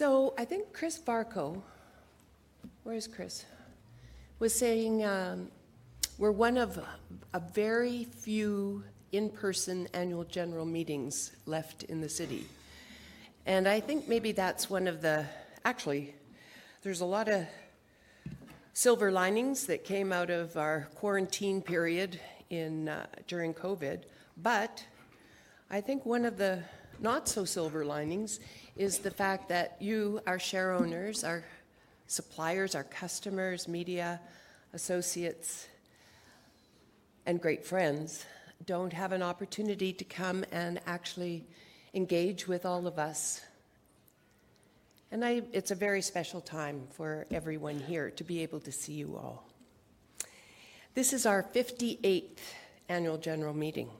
I think Chris Barco, where is Chris? Was saying we're one of a very few in-person annual general meetings left in the city. I think maybe that's one of the—actually, there are a lot of silver linings that came out of our quarantine period during COVID. I think one of the not-so-silver linings is the fact that you, our share owners, our suppliers, our customers, media associates, and great friends do not have an opportunity to come and actually engage with all of us. It is a very special time for everyone here to be able to see you all. This is our 58th Annual General Meeting.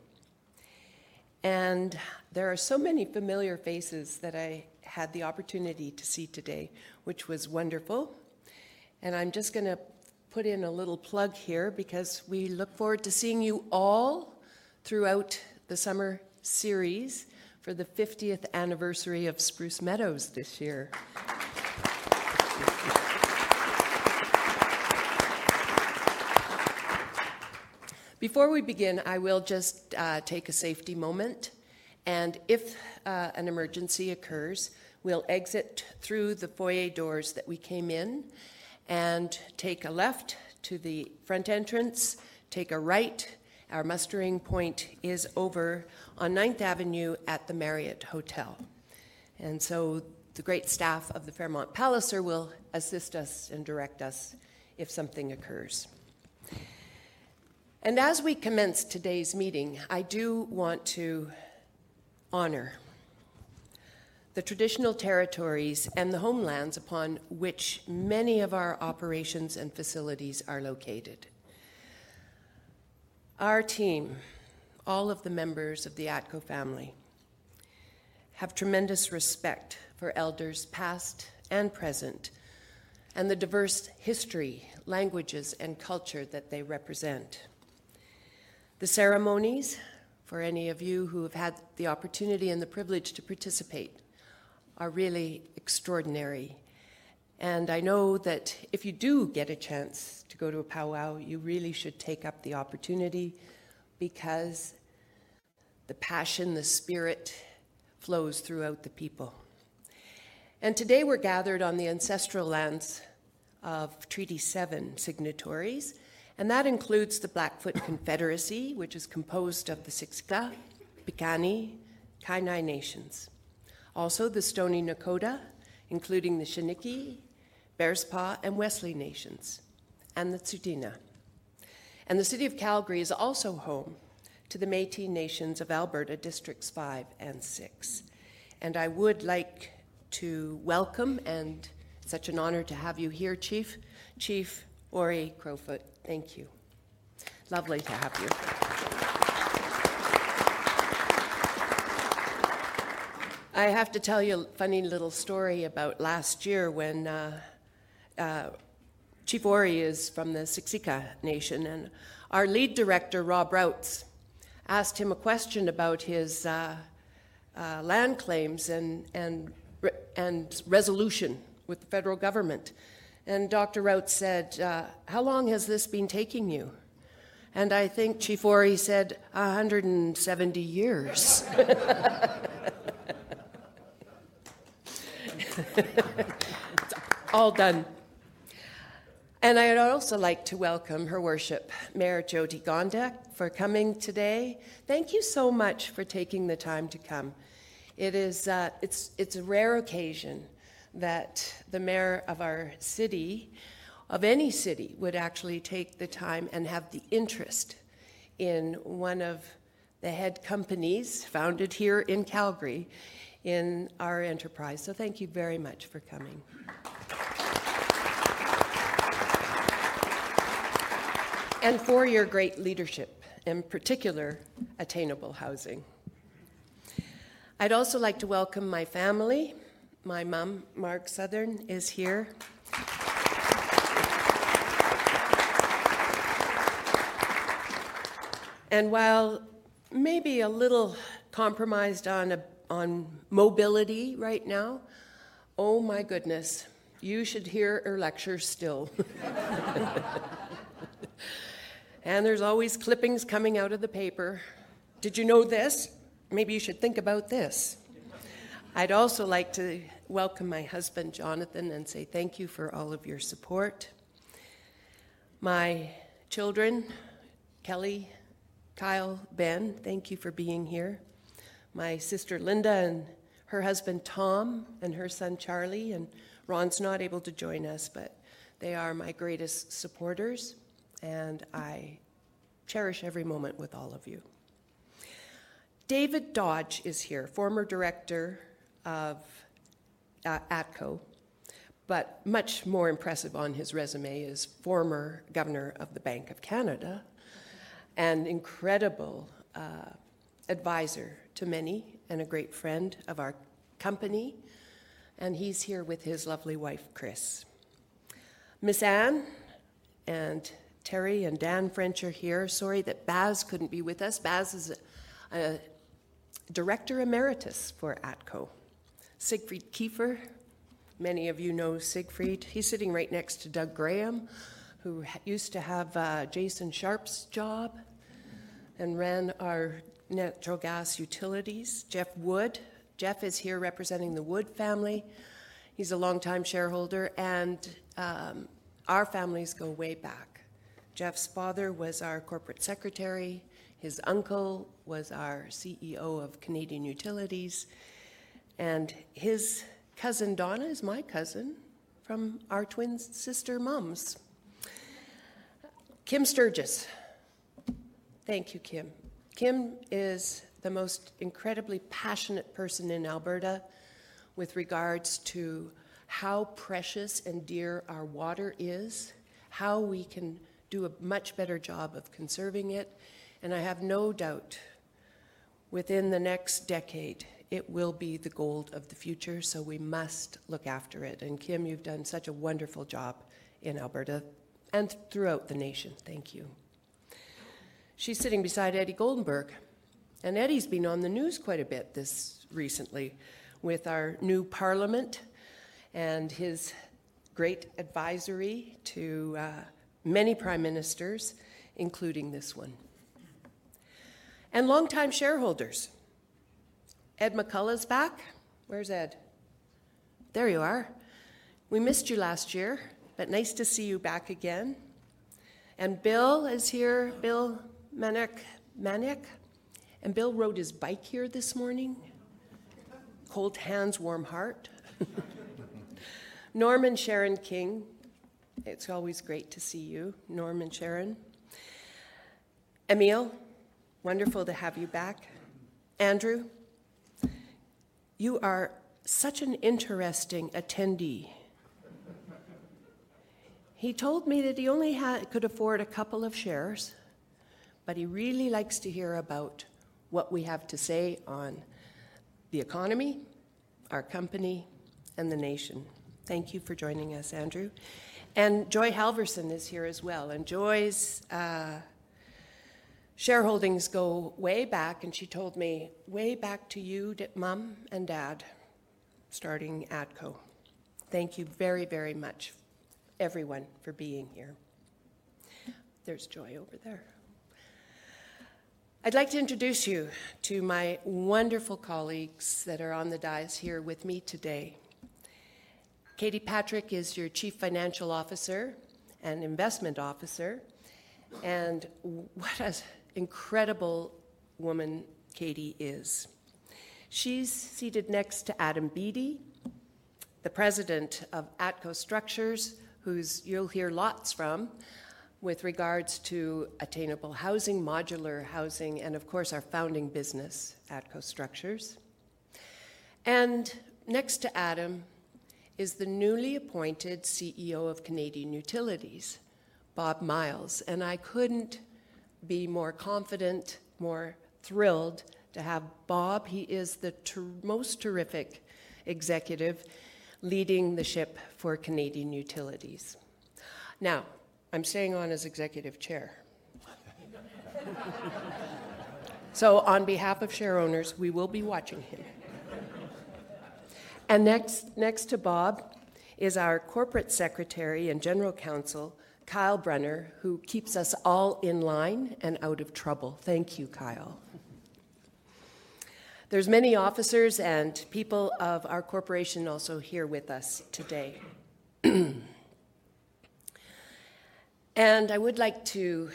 There are so many familiar faces that I had the opportunity to see today, which was wonderful. I'm just going to put in a little plug here because we look forward to seeing you all throughout the summer series for the 50th Anniversary of Spruce Meadows this year. Before we begin, I will just take a safety moment. If an emergency occurs, we'll exit through the foyer doors that we came in and take a left to the front entrance, take a right. Our mustering point is over on 9th Avenue at the Marriott Hotel. The great staff of the Fairmont Palliser will assist us and direct us if something occurs. As we commence today's meeting, I do want to honor the traditional territories and the homelands upon which many of our operations and facilities are located. Our team, all of the members of the ATCO family, have tremendous respect for elders past and present and the diverse history, languages, and culture that they represent. The ceremonies, for any of you who have had the opportunity and the privilege to participate, are really extraordinary. I know that if you do get a chance to go to a powwow, you really should take up the opportunity because the passion, the spirit flows throughout the people. Today we are gathered on the ancestral lands of Treaty Seven signatories, and that includes the Blackfoot Confederacy, which is composed of the Siksika, Piikani, Kainai Nations. Also, the Stoney Nakoda, including the Chiniki, Bearspaw, and Wesley Nations, and the Tsuut'ina. The City of Calgary is also home to the Métis Nation of Alberta Districts Five and Six. I would like to welcome, and it is such an honor to have you here, Chief. Chief Ouray Crowfoot, thank you. Lovely to have you. I have to tell you a funny little story about last year when Chief Ouray is from the Siksika Nation, and our Lead Director, Rob Routs, asked him a question about his land claims and resolution with the federal government. Dr. Routs said, "How long has this been taking you?" and I think Chief Ouray said, "170 years." All done. I would also like to welcome Her Worship, Mayor Jyoti Gondek, for coming today. Thank you so much for taking the time to come. It is a rare occasion that the mayor of our city, of any city, would actually take the time and have the interest in one of the head companies founded here in Calgary in our enterprise. Thank you very much for coming. And for your great leadership, in particular, attainable housing. I'd also like to welcome my family. My mom, Marg Southern, is here. And while maybe a little compromised on mobility right now, oh my goodness, you should hear her lecture still. And there's always clippings coming out of the paper. Did you know this? Maybe you should think about this. I'd also like to welcome my husband, Jonathan, and say thank you for all of your support. My children, Kelly, Kyle, Ben, thank you for being here. My sister, Linda, and her husband, Tom, and her son, Charlie, and Ron's not able to join us, but they are my greatest supporters, and I cherish every moment with all of you. David Dodge is here, former director of ATCO, but much more impressive on his resume is former governor of the Bank of Canada and incredible advisor to many and a great friend of our company. He's here with his lovely wife, Chris. Miss Ann and Terry and Dan French are here. Sorry that Bass couldn't be with us. Bass is a director emeritus for ATCO. Siegfried Kiefer, many of you know Siegfried. He's sitting right next to Doug Graham, who used to have Jason Sharpe's job and ran our natural gas utilities. Jeff Wood. Jeff is here representing the Wood family. He's a longtime shareholder, and our families go way back. Jeff's father was our corporate secretary. His uncle was our CEO of Canadian Utilities. His cousin, Donna, is my cousin from our twin sister mums. Kim Sturgis. Thank you, Kim. Kim is the most incredibly passionate person in Alberta with regards to how precious and dear our water is, how we can do a much better job of conserving it. I have no doubt within the next decade it will be the gold of the future, so we must look after it. Kim, you've done such a wonderful job in Alberta and throughout the nation. Thank you. She's sitting beside Eddie Goldberg, and Eddie's been on the news quite a bit recently with our new parliament and his great advisory to many prime ministers, including this one. And longtime shareholders. Ed McCullough's back. Where's Ed? There you are. We missed you last year, but nice to see you back again. Bill is here. Bill Mannix. Bill rode his bike here this morning. Cold hands, warm heart. Norman and Sharon King. It's always great to see you, Norman and Sharon. Emile, wonderful to have you back. Andrew, you are such an interesting attendee. He told me that he only could afford a couple of shares, but he really likes to hear about what we have to say on the economy, our company, and the nation. Thank you for joining us, Andrew. Joy Halverson is here as well. Joy's shareholdings go way back, and she told me way back to you, mum and dad, starting ATCO. Thank you very, very much, everyone, for being here. There's Joy over there. I'd like to introduce you to my wonderful colleagues that are on the dais here with me today. Katie Patrick is your Chief Financial Officer and Investment Officer. What an incredible woman Katie is. She's seated next to Adam Beattie, the President of ATCO Structures, who you'll hear lots from with regards to attainable housing, modular housing, and of course, our founding business, ATCO Structures. Next to Adam is the newly appointed CEO of Canadian Utilities, Bob Myles. I couldn't be more confident, more thrilled to have Bob. He is the most terrific executive leading the ship for Canadian Utilities. Now, I'm staying on as Executive Chair. On behalf of share owners, we will be watching him. Next to Bob is our Corporate Secretary and General Counsel, Kyle Brunner, who keeps us all in line and out of trouble. Thank you, Kyle. There are many officers and people of our corporation also here with us today. I would like to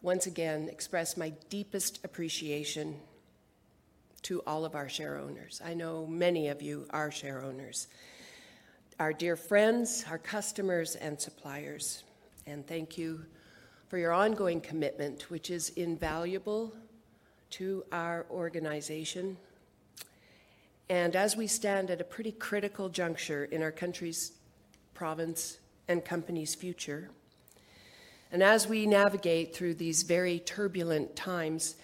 once again express my deepest appreciation to all of our share owners. I know many of you are share owners, our dear friends, our customers, and suppliers. Thank you for your ongoing commitment, which is invaluable to our organization. As we stand at a pretty critical juncture in our country's province and company's future, and as we navigate through these very turbulent times,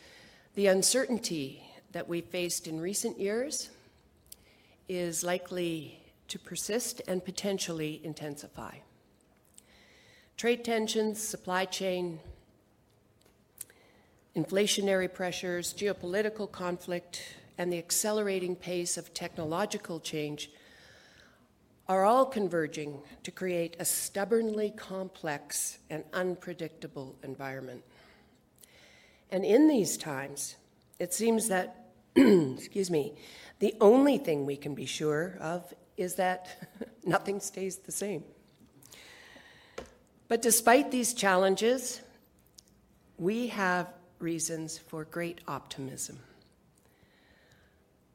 the uncertainty that we faced in recent years is likely to persist and potentially intensify. Trade tensions, supply chain, inflationary pressures, geopolitical conflict, and the accelerating pace of technological change are all converging to create a stubbornly complex and unpredictable environment. In these times, it seems that, excuse me, the only thing we can be sure of is that nothing stays the same. Despite these challenges, we have reasons for great optimism.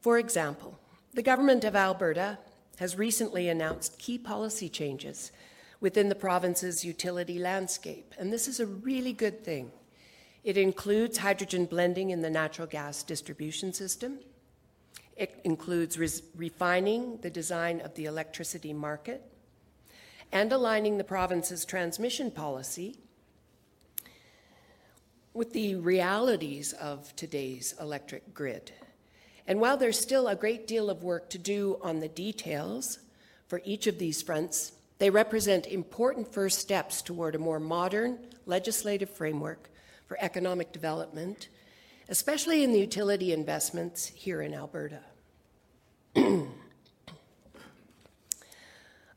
For example, the government of Alberta has recently announced key policy changes within the province's utility landscape. This is a really good thing. It includes hydrogen blending in the natural gas distribution system. It includes refining the design of the electricity market and aligning the province's transmission policy with the realities of today's electric grid. While there is still a great deal of work to do on the details for each of these fronts, they represent important first steps toward a more modern legislative framework for economic development, especially in the utility investments here in Alberta.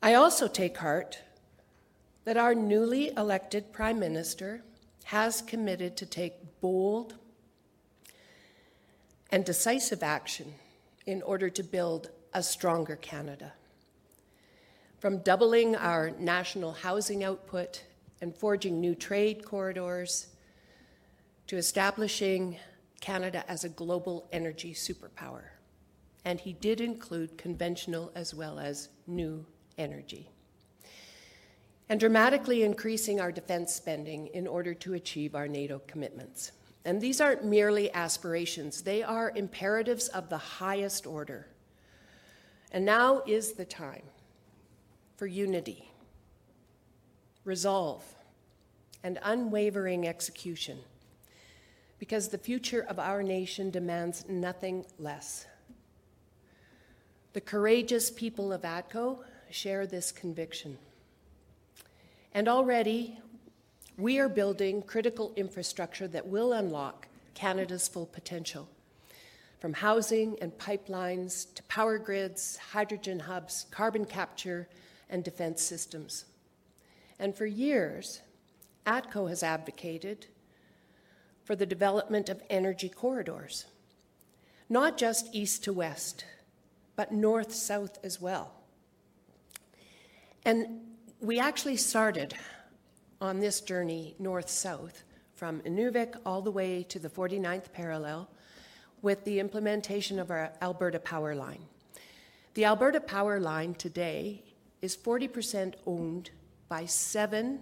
I also take heart that our newly elected prime minister has committed to take bold and decisive action in order to build a stronger Canada. From doubling our national housing output and forging new trade corridors to establishing Canada as a global energy superpower. He did include conventional as well as new energy. Dramatically increasing our defense spending in order to achieve our NATO commitments. These aren't merely aspirations. They are imperatives of the highest order. Now is the time for unity, resolve, and unwavering execution because the future of our nation demands nothing less. The courageous people of ATCO share this conviction. Already, we are building critical infrastructure that will unlock Canada's full potential, from housing and pipelines to power grids, hydrogen hubs, carbon capture, and defense systems. For years, ATCO has advocated for the development of energy corridors, not just east to west, but north-south as well. We actually started on this journey north-south from Inuvik all the way to the 49th parallel with the implementation of our Alberta Power Line. The Alberta Power Line today is 40% owned by seven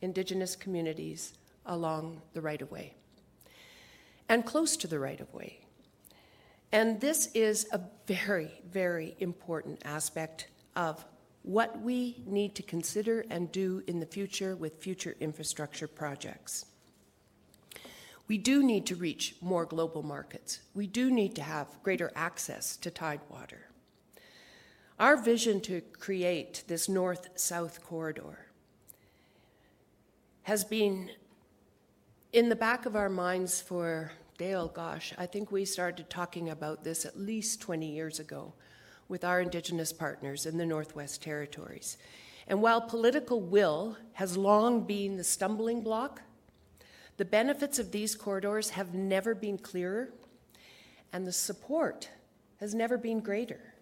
Indigenous communities along the right of way and close to the right of way. This is a very, very important aspect of what we need to consider and do in the future with future infrastructure projects. We do need to reach more global markets. We do need to have greater access to tide water. Our vision to create this north-south corridor has been in the back of our minds for, dear gosh, I think we started talking about this at least 20 years ago with our Indigenous partners in the Northwest Territories. While political will has long been the stumbling block, the benefits of these corridors have never been clearer, and the support has never been greater.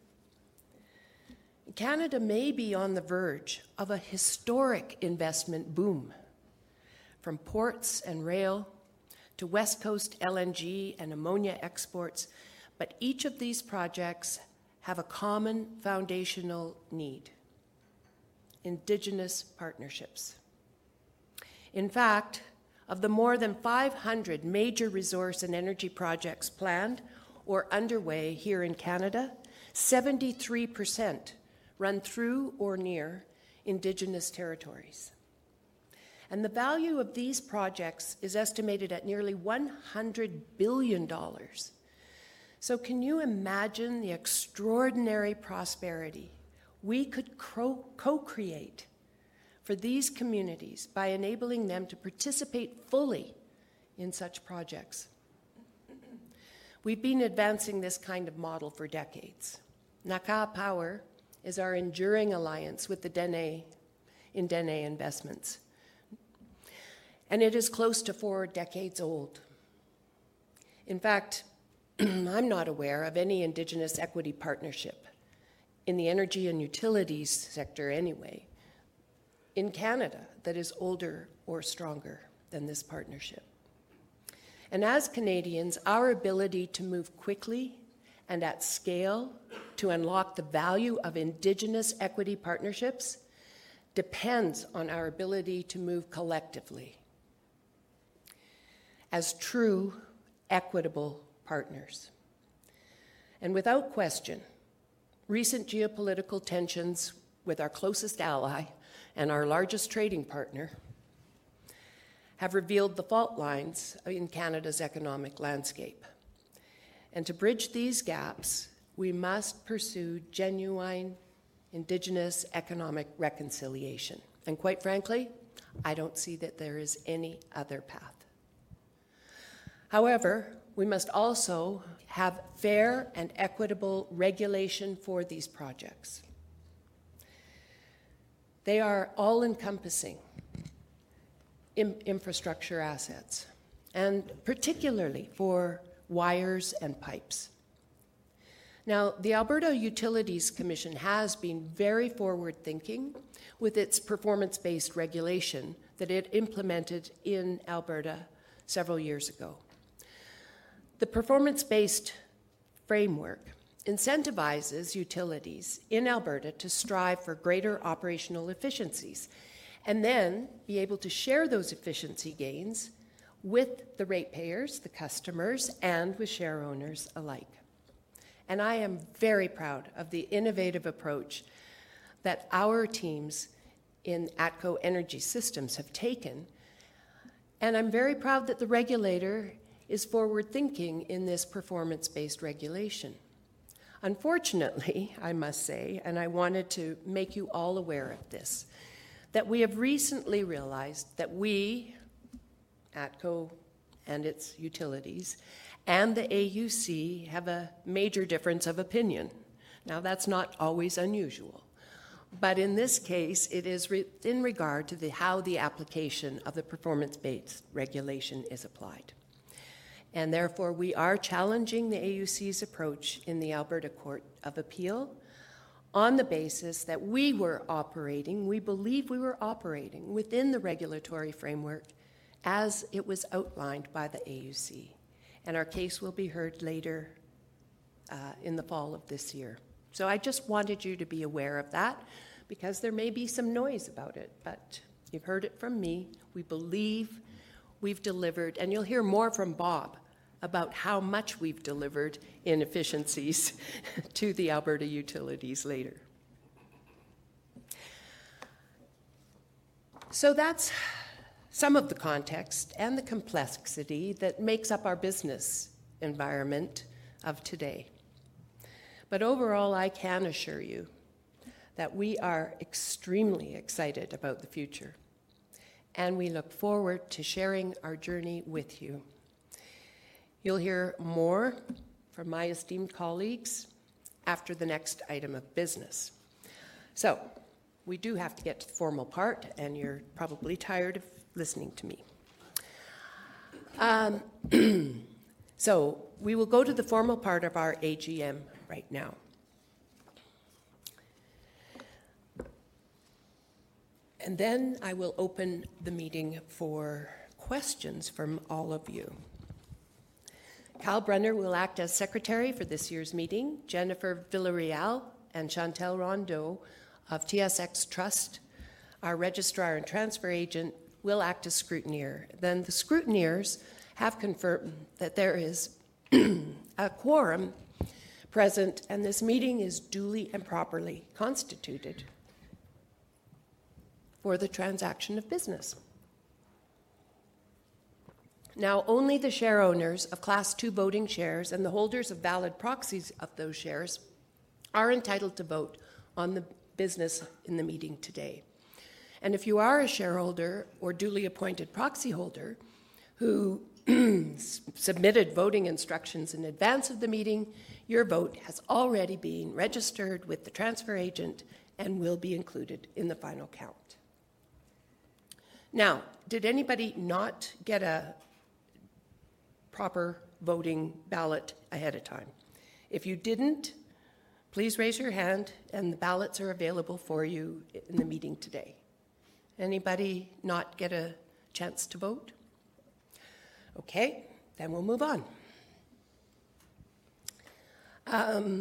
Canada may be on the verge of a historic investment boom from ports and rail to West Coast LNG and ammonia exports, but each of these projects have a common foundational need: Indigenous partnerships. In fact, of the more than 500 major resource and energy projects planned or underway here in Canada, 73% run through or near Indigenous territories. The value of these projects is estimated at nearly 100 billion dollars. Can you imagine the extraordinary prosperity we could co-create for these communities by enabling them to participate fully in such projects? We've been advancing this kind of model for decades. Naka Power is our enduring alliance with the Dene in Denendeh Investments, and it is close to four decades old. In fact, I'm not aware of any Indigenous equity partnership in the energy and utilities sector anywhere in Canada that is older or stronger than this partnership. As Canadians, our ability to move quickly and at scale to unlock the value of Indigenous equity partnerships depends on our ability to move collectively as true equitable partners. Without question, recent geopolitical tensions with our closest ally and our largest trading partner have revealed the fault lines in Canada's economic landscape. To bridge these gaps, we must pursue genuine Indigenous economic reconciliation. Quite frankly, I do not see that there is any other path. However, we must also have fair and equitable regulation for these projects. They are all-encompassing infrastructure assets, particularly for wires and pipes. The Alberta Utilities Commission has been very forward-thinking with its performance-based regulation that it implemented in Alberta several years ago. The performance-based framework incentivizes utilities in Alberta to strive for greater operational efficiencies and then be able to share those efficiency gains with the ratepayers, the customers, and with share owners alike. I am very proud of the innovative approach that our teams in ATCO Energy Systems have taken. I'm very proud that the regulator is forward-thinking in this performance-based regulation. Unfortunately, I must say, and I wanted to make you all aware of this, that we have recently realized that we, ATCO and its utilities, and the AUC have a major difference of opinion. Now, that's not always unusual. In this case, it is in regard to how the application of the performance-based regulation is applied. Therefore, we are challenging the AUC's approach in the Alberta Court of Appeal on the basis that we were operating, we believe we were operating within the regulatory framework as it was outlined by the AUC. Our case will be heard later in the fall of this year. I just wanted you to be aware of that because there may be some noise about it, but you've heard it from me. We believe we've delivered. You'll hear more from Bob about how much we've delivered in efficiencies to the Alberta utilities later. That is some of the context and the complexity that makes up our business environment of today. Overall, I can assure you that we are extremely excited about the future. We look forward to sharing our journey with you. You'll hear more from my esteemed colleagues after the next item of business. We do have to get to the formal part, and you're probably tired of listening to me. We will go to the formal part of our AGM right now. I will open the meeting for questions from all of you. Kyle Brunner will act as Secretary for this year's meeting. Jennifer Villareal and Chantelle Rondeau of TSX Trust, our registrar and transfer agent, will act as scrutineer. The scrutineers have confirmed that there is a quorum present, and this meeting is duly and properly constituted for the transaction of business. Only the share owners of Class II voting shares and the holders of valid proxies of those shares are entitled to vote on the business in the meeting today. If you are a shareholder or duly appointed proxy holder who submitted voting instructions in advance of the meeting, your vote has already been registered with the transfer agent and will be included in the final count. Did anybody not get a proper voting ballot ahead of time? If you did not, please raise your hand, and the ballots are available for you in the meeting today. Anybody not get a chance to vote? Okay. We will move on. Oh.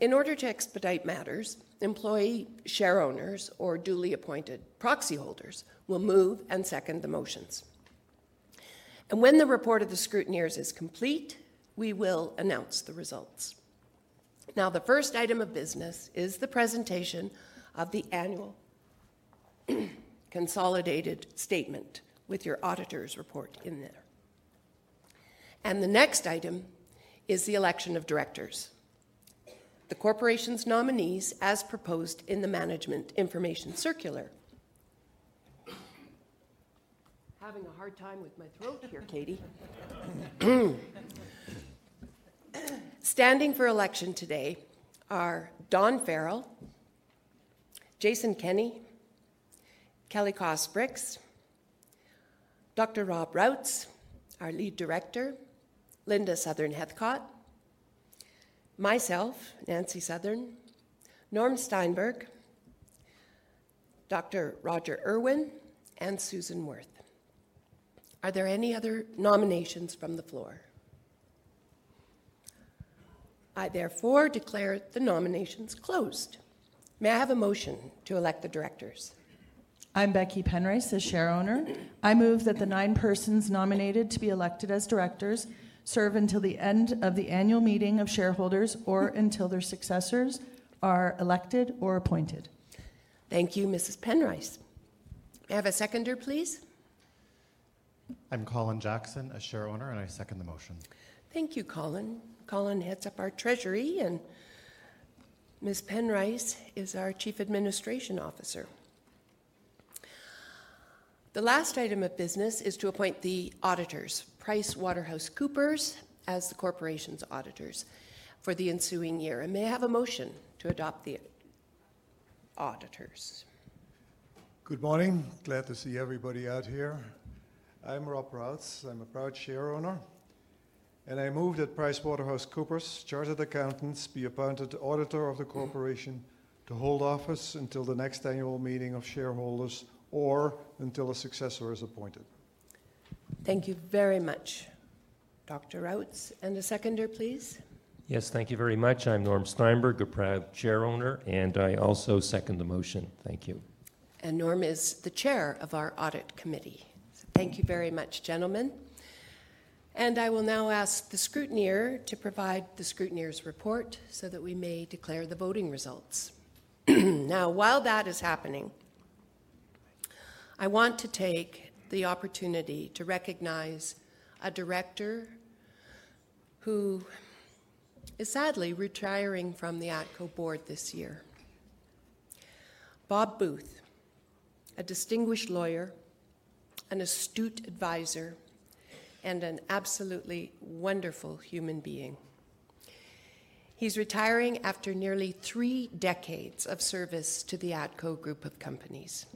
In order to expedite matters, employee share owners or duly appointed proxy holders will move and second the motions. When the report of the scrutineers is complete, we will announce the results. The first item of business is the presentation of the annual consolidated statement with your auditor's report in there. The next item is the election of directors, the corporation's nominees as proposed in the management information circular. Having a hard time with my throat here, Katie. Standing for election today are Don Ferrill, Jason Kenney, Kelly Koss-Brix, Dr. Rob Routs, our lead director, Linda Southern-Heathcott, myself, Nancy Southern, Norm Steinberg, Dr. Roger Urwin, and Susan Werth. Are there any other nominations from the floor? I therefore declare the nominations closed. May I have a motion to elect the directors? I'm Becky Penrice, the share owner. I move that the nine persons nominated to be elected as directors serve until the end of the annual meeting of shareholders or until their successors are elected or appointed. Thank you, Mrs. Penrice. May I have a seconder, please? I'm Colin Jackson, a share owner, and I second the motion. Thank you, Colin. Colin heads up our treasury, and Ms. Penrice is our Chief Administration Officer. The last item of business is to appoint the auditors, PricewaterhouseCoopers, as the corporation's auditors for the ensuing year. May I have a motion to adopt the auditors? Good morning. Glad to see everybody out here. I'm Rob Routs. I'm a proud share owner. I move that PricewaterhouseCoopers, chartered accountants, be appointed auditor of the corporation to hold office until the next annual meeting of shareholders or until a successor is appointed. Thank you very much, Dr. Routs. And a seconder, please. Yes, thank you very much. I'm Norm Steinberg, a proud share owner, and I also second the motion. Thank you. Norm is the Chair of our Audit Committee. Thank you very much, gentlemen. I will now ask the scrutineer to provide the scrutineer's report so that we may declare the voting results. Now, while that is happening, I want to take the opportunity to recognize a director who is sadly retiring from the ATCO board this year, Bob Booth, a distinguished lawyer, an astute advisor, and an absolutely wonderful human being. He's retiring after nearly three decades of service to the ATCO group of companies.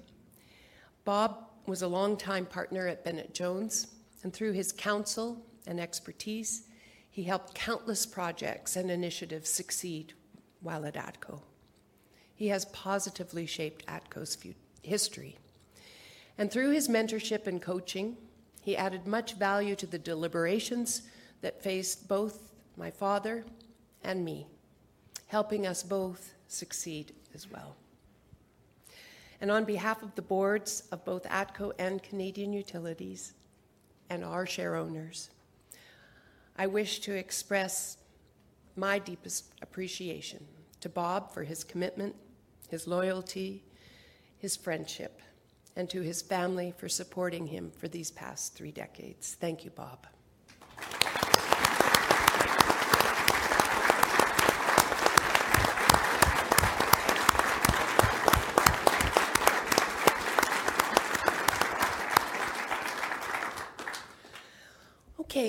Bob was a longtime partner at Bennett Jones, and through his counsel and expertise, he helped countless projects and initiatives succeed while at ATCO. He has positively shaped ATCO's history. Through his mentorship and coaching, he added much value to the deliberations that faced both my father and me, helping us both succeed as well. On behalf of the boards of both ATCO and Canadian Utilities and our share owners, I wish to express my deepest appreciation to Bob for his commitment, his loyalty, his friendship, and to his family for supporting him for these past three decades. Thank you, Bob.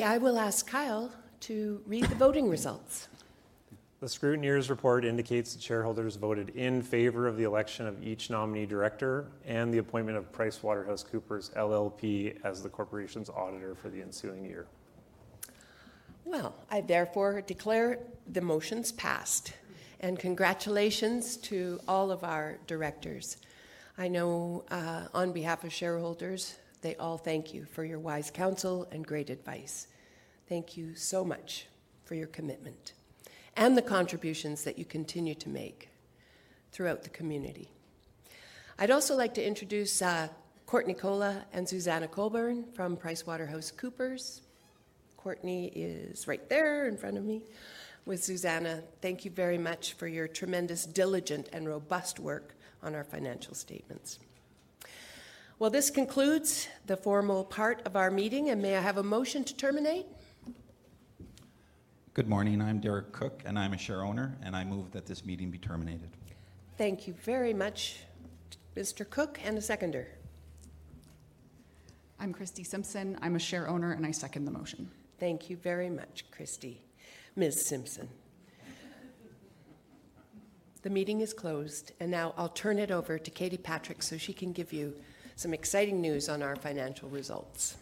I will ask Kyle to read the voting results. The scrutineer's report indicates that shareholders voted in favor of the election of each nominee director and the appointment of PricewaterhouseCoopers, LLP, as the corporation's auditor for the ensuing year. I therefore declare the motions passed. Congratulations to all of our directors. I know on behalf of shareholders, they all thank you for your wise counsel and great advice. Thank you so much for your commitment and the contributions that you continue to make throughout the community. I'd also like to introduce Courtney Kolla and Susanna Colburn from PricewaterhouseCoopers. Courtney is right there in front of me with Susanna. Thank you very much for your tremendous, diligent, and robust work on our financial statements. This concludes the formal part of our meeting. May I have a motion to terminate? Good morning. I'm Derek Cook, and I'm a share owner, and I move that this meeting be terminated. Thank you very much, Mr. Cook, and a seconder. I'm Christie Simpson. I'm a share owner, and I second the motion. Thank you very much, Christie, Ms. Simpson. The meeting is closed, and now I'll turn it over to Katie Patrick so she can give you some exciting news on our financial results.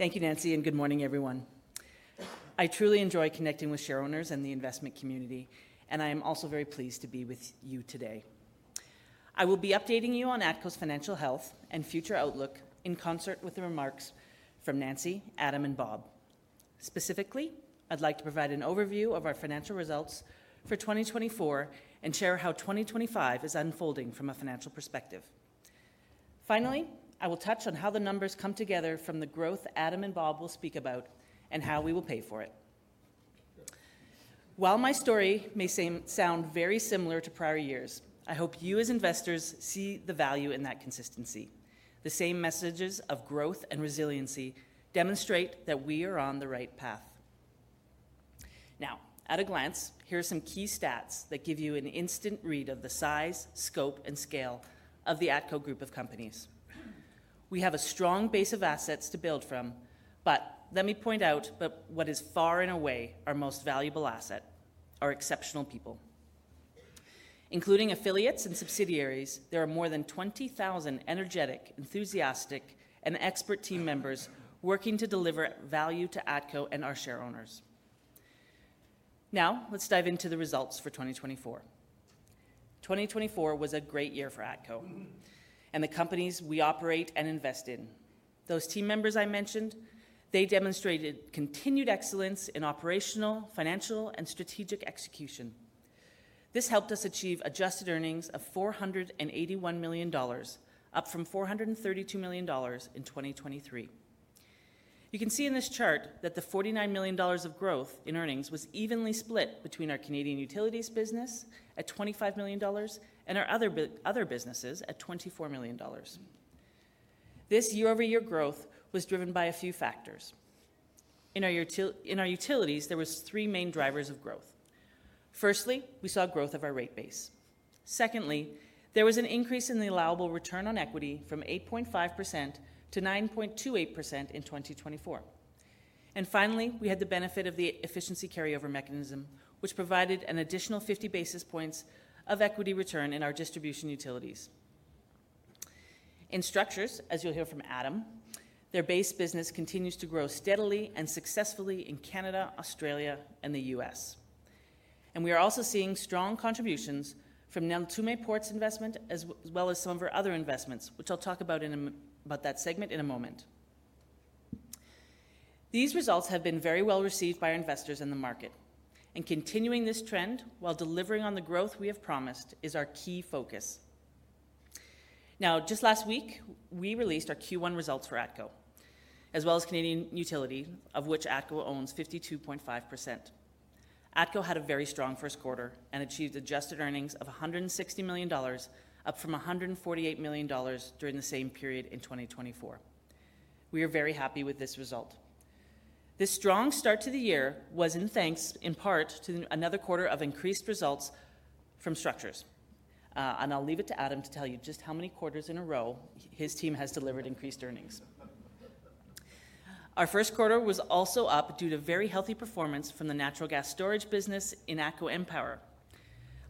Technical difficulties. One second. Thank you, Nancy, and good morning, everyone. I truly enjoy connecting with share owners and the investment community, and I am also very pleased to be with you today. I will be updating you on ATCO's financial health and future outlook in concert with the remarks from Nancy, Adam, and Bob. Specifically, I'd like to provide an overview of our financial results for 2024 and share how 2025 is unfolding from a financial perspective. Finally, I will touch on how the numbers come together from the growth Adam and Bob will speak about and how we will pay for it. While my story may sound very similar to prior years, I hope you as investors see the value in that consistency. The same messages of growth and resiliency demonstrate that we are on the right path. Now, at a glance, here are some key stats that give you an instant read of the size, scope, and scale of the ATCO group of companies. We have a strong base of assets to build from, but let me point out what is far and away our most valuable asset, our exceptional people. Including affiliates and subsidiaries, there are more than 20,000 energetic, enthusiastic, and expert team members working to deliver value to ATCO and our share owners. Now, let's dive into the results for 2024. 2024 was a great year for ATCO and the companies we operate and invest in. Those team members I mentioned, they demonstrated continued excellence in operational, financial, and strategic execution. This helped us achieve adjusted earnings of 481 million dollars, up from 432 million dollars in 2023. You can see in this chart that the 49 million dollars of growth in earnings was evenly split between our Canadian Utilities business at 25 million dollars and our other businesses at 24 million dollars. This year-over-year growth was driven by a few factors. In our utilities, there were three main drivers of growth. Firstly, we saw growth of our rate base. Secondly, there was an increase in the allowable return on equity from 8.5% to 9.28% in 2024. Finally, we had the benefit of the efficiency carryover mechanism, which provided an additional 50 basis points of equity return in our distribution utilities. In Structures, as you'll hear from Adam, their base business continues to grow steadily and successfully in Canada, Australia, and the U.S. We are also seeing strong contributions from Neltume Ports investment, as well as some of our other investments, which I'll talk about in that segment in a moment. These results have been very well received by our investors in the market. Continuing this trend while delivering on the growth we have promised is our key focus. Just last week, we released our Q1 results for ATCO, as well as Canadian Utilities, of which ATCO owns 52.5%. ATCO had a very strong first quarter and achieved adjusted earnings of 160 million dollars, up from 148 million dollars during the same period in 2024. We are very happy with this result. This strong start to the year was thanks in part to another quarter of increased results from Structures. I'll leave it to Adam to tell you just how many quarters in a row his team has delivered increased earnings. Our first quarter was also up due to very healthy performance from the natural gas storage business in ATCO EnPower.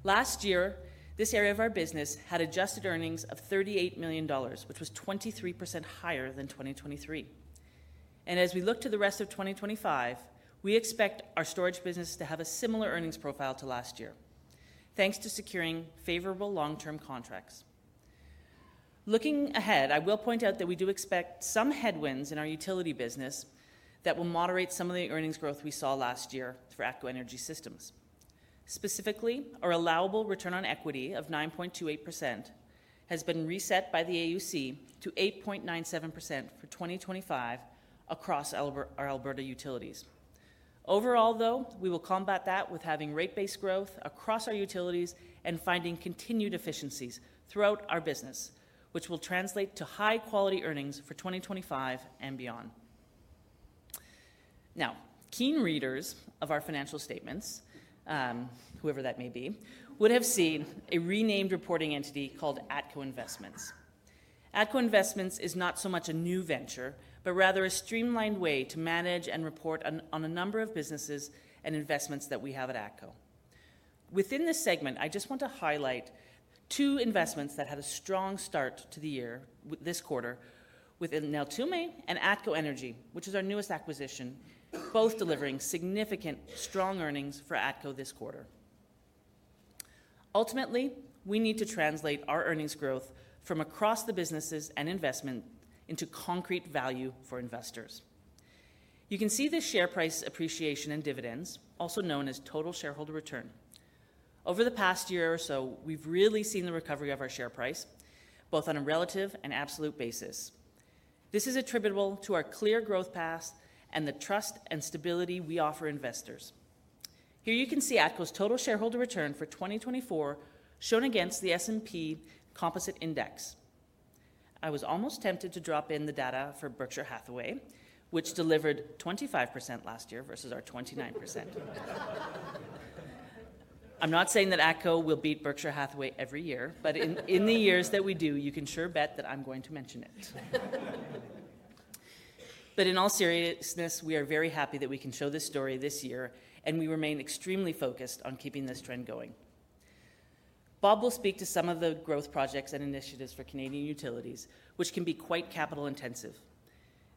Last year, this area of our business had adjusted earnings of 38 million dollars, which was 23% higher than 2023. As we look to the rest of 2025, we expect our storage business to have a similar earnings profile to last year, thanks to securing favorable long-term contracts. Looking ahead, I will point out that we do expect some headwinds in our utility business that will moderate some of the earnings growth we saw last year for ATCO Energy Systems. Specifically, our allowable return on equity of 9.28% has been reset by the AUC to 8.97% for 2025 across our Alberta utilities. Overall, though, we will combat that with having rate-based growth across our utilities and finding continued efficiencies throughout our business, which will translate to high-quality earnings for 2025 and beyond. Now, keen readers of our financial statements, whoever that may be, would have seen a renamed reporting entity called ATCO Investments. ATCO Investments is not so much a new venture, but rather a streamlined way to manage and report on a number of businesses and investments that we have at ATCO. Within this segment, I just want to highlight two investments that had a strong start to the year this quarter with Neltume and ATCO Energy, which is our newest acquisition, both delivering significant strong earnings for ATCO this quarter. Ultimately, we need to translate our earnings growth from across the businesses and investment into concrete value for investors. You can see the share price appreciation and dividends, also known as total shareholder return. Over the past year or so, we've really seen the recovery of our share price, both on a relative and absolute basis. This is attributable to our clear growth path and the trust and stability we offer investors. Here you can see ATCO's total shareholder return for 2024 shown against the S&P Composite Index. I was almost tempted to drop in the data for Berkshire Hathaway, which delivered 25% last year versus our 29%. I'm not saying that ATCO will beat Berkshire Hathaway every year, but in the years that we do, you can sure bet that I'm going to mention it. In all seriousness, we are very happy that we can show this story this year, and we remain extremely focused on keeping this trend going. Bob will speak to some of the growth projects and initiatives for Canadian Utilities, which can be quite capital-intensive.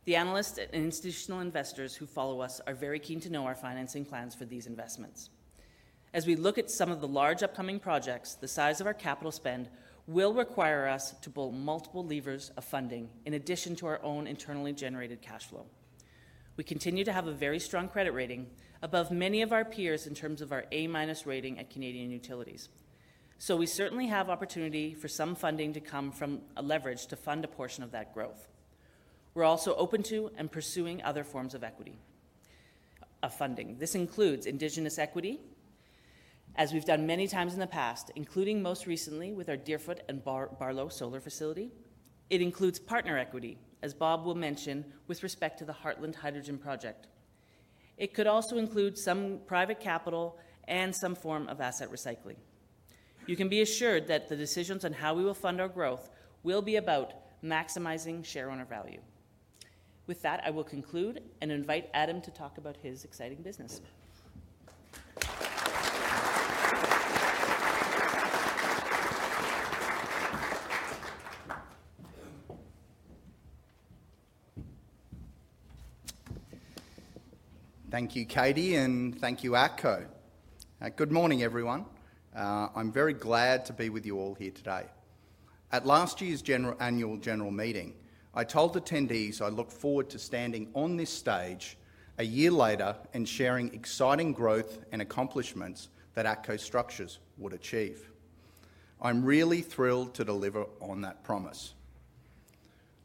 The analysts and institutional investors who follow us are very keen to know our financing plans for these investments. As we look at some of the large upcoming projects, the size of our capital spend will require us to pull multiple levers of funding in addition to our own internally generated cash flow. We continue to have a very strong credit rating above many of our peers in terms of our A-minus rating at Canadian Utilities. We certainly have opportunity for some funding to come from a leverage to fund a portion of that growth. We're also open to and pursuing other forms of equity funding. This includes Indigenous equity, as we've done many times in the past, including most recently with our Deerfoot and Barlow solar facility. It includes partner equity, as Bob will mention with respect to the Heartland Hydrogen Project. It could also include some private capital and some form of asset recycling. You can be assured that the decisions on how we will fund our growth will be about maximizing shareholder value. With that, I will conclude and invite Adam to talk about his exciting business. Thank you, Katie, and thank you, ATCO. Good morning, everyone. I'm very glad to be with you all here today. At last year's annual general meeting, I told attendees I look forward to standing on this stage a year later and sharing exciting growth and accomplishments that ATCO Structures would achieve. I'm really thrilled to deliver on that promise.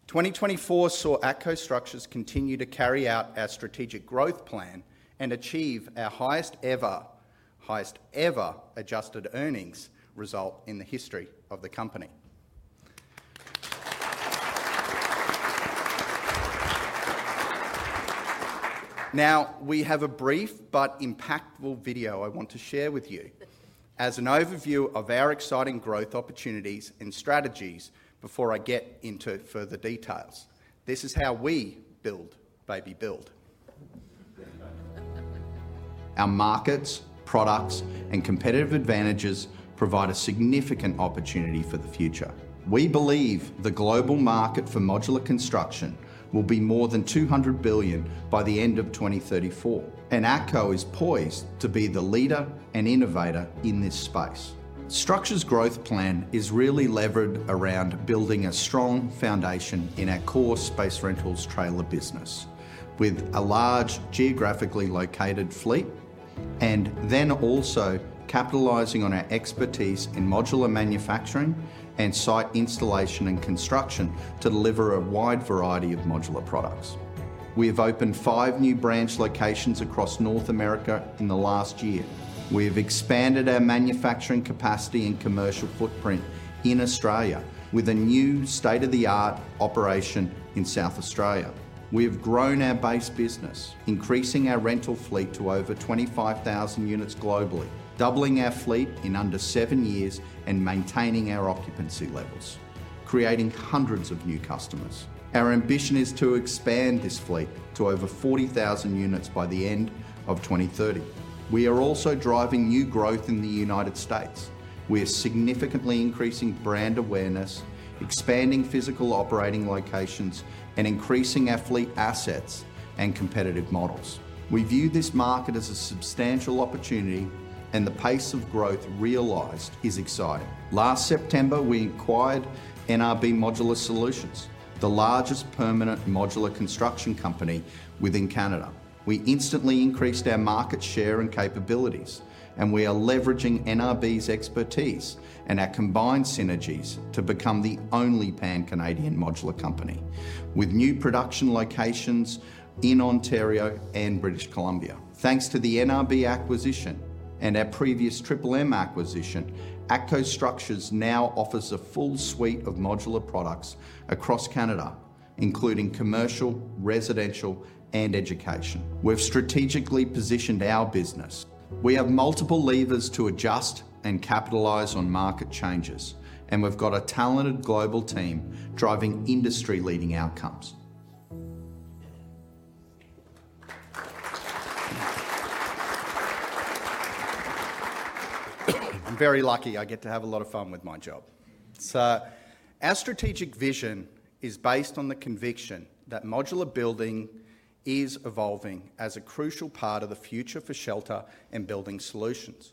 2024 saw ATCO Structures continue to carry out our strategic growth plan and achieve our highest-ever adjusted earnings result in the history of the company. Now, we have a brief but impactful video I want to share with you as an overview of our exciting growth opportunities and strategies before I get into further details. This is how we build, baby, build. Our markets, products, and competitive advantages provide a significant opportunity for the future. We believe the global market for modular construction will be more than 200 billion by the end of 2034, and ATCO is poised to be the leader and innovator in this space. Structures' growth plan is really levered around building a strong foundation in our core space rentals trailer business with a large geographically located fleet and then also capitalizing on our expertise in modular manufacturing and site installation and construction to deliver a wide variety of modular products. We have opened five new branch locations across North America in the last year. We have expanded our manufacturing capacity and commercial footprint in Australia with a new state-of-the-art operation in South Australia. We have grown our base business, increasing our rental fleet to over 25,000 units globally, doubling our fleet in under seven years and maintaining our occupancy levels, creating hundreds of new customers. Our ambition is to expand this fleet to over 40,000 units by the end of 2030. We are also driving new growth in the United States. We are significantly increasing brand awareness, expanding physical operating locations, and increasing our fleet assets and competitive models. We view this market as a substantial opportunity, and the pace of growth realized is exciting. Last September, we acquired NRB Modular Solutions, the largest permanent modular construction company within Canada. We instantly increased our market share and capabilities, and we are leveraging NRB's expertise and our combined synergies to become the only Pan-Canadian modular company with new production locations in Ontario and British Columbia. Thanks to the NRB acquisition and our previous acquisition, ATCO Structures now offers a full suite of modular products across Canada, including commercial, residential, and education. We've strategically positioned our business. We have multiple levers to adjust and capitalize on market changes, and we've got a talented global team driving industry-leading outcomes. I'm very lucky I get to have a lot of fun with my job. Our strategic vision is based on the conviction that modular building is evolving as a crucial part of the future for shelter and building solutions.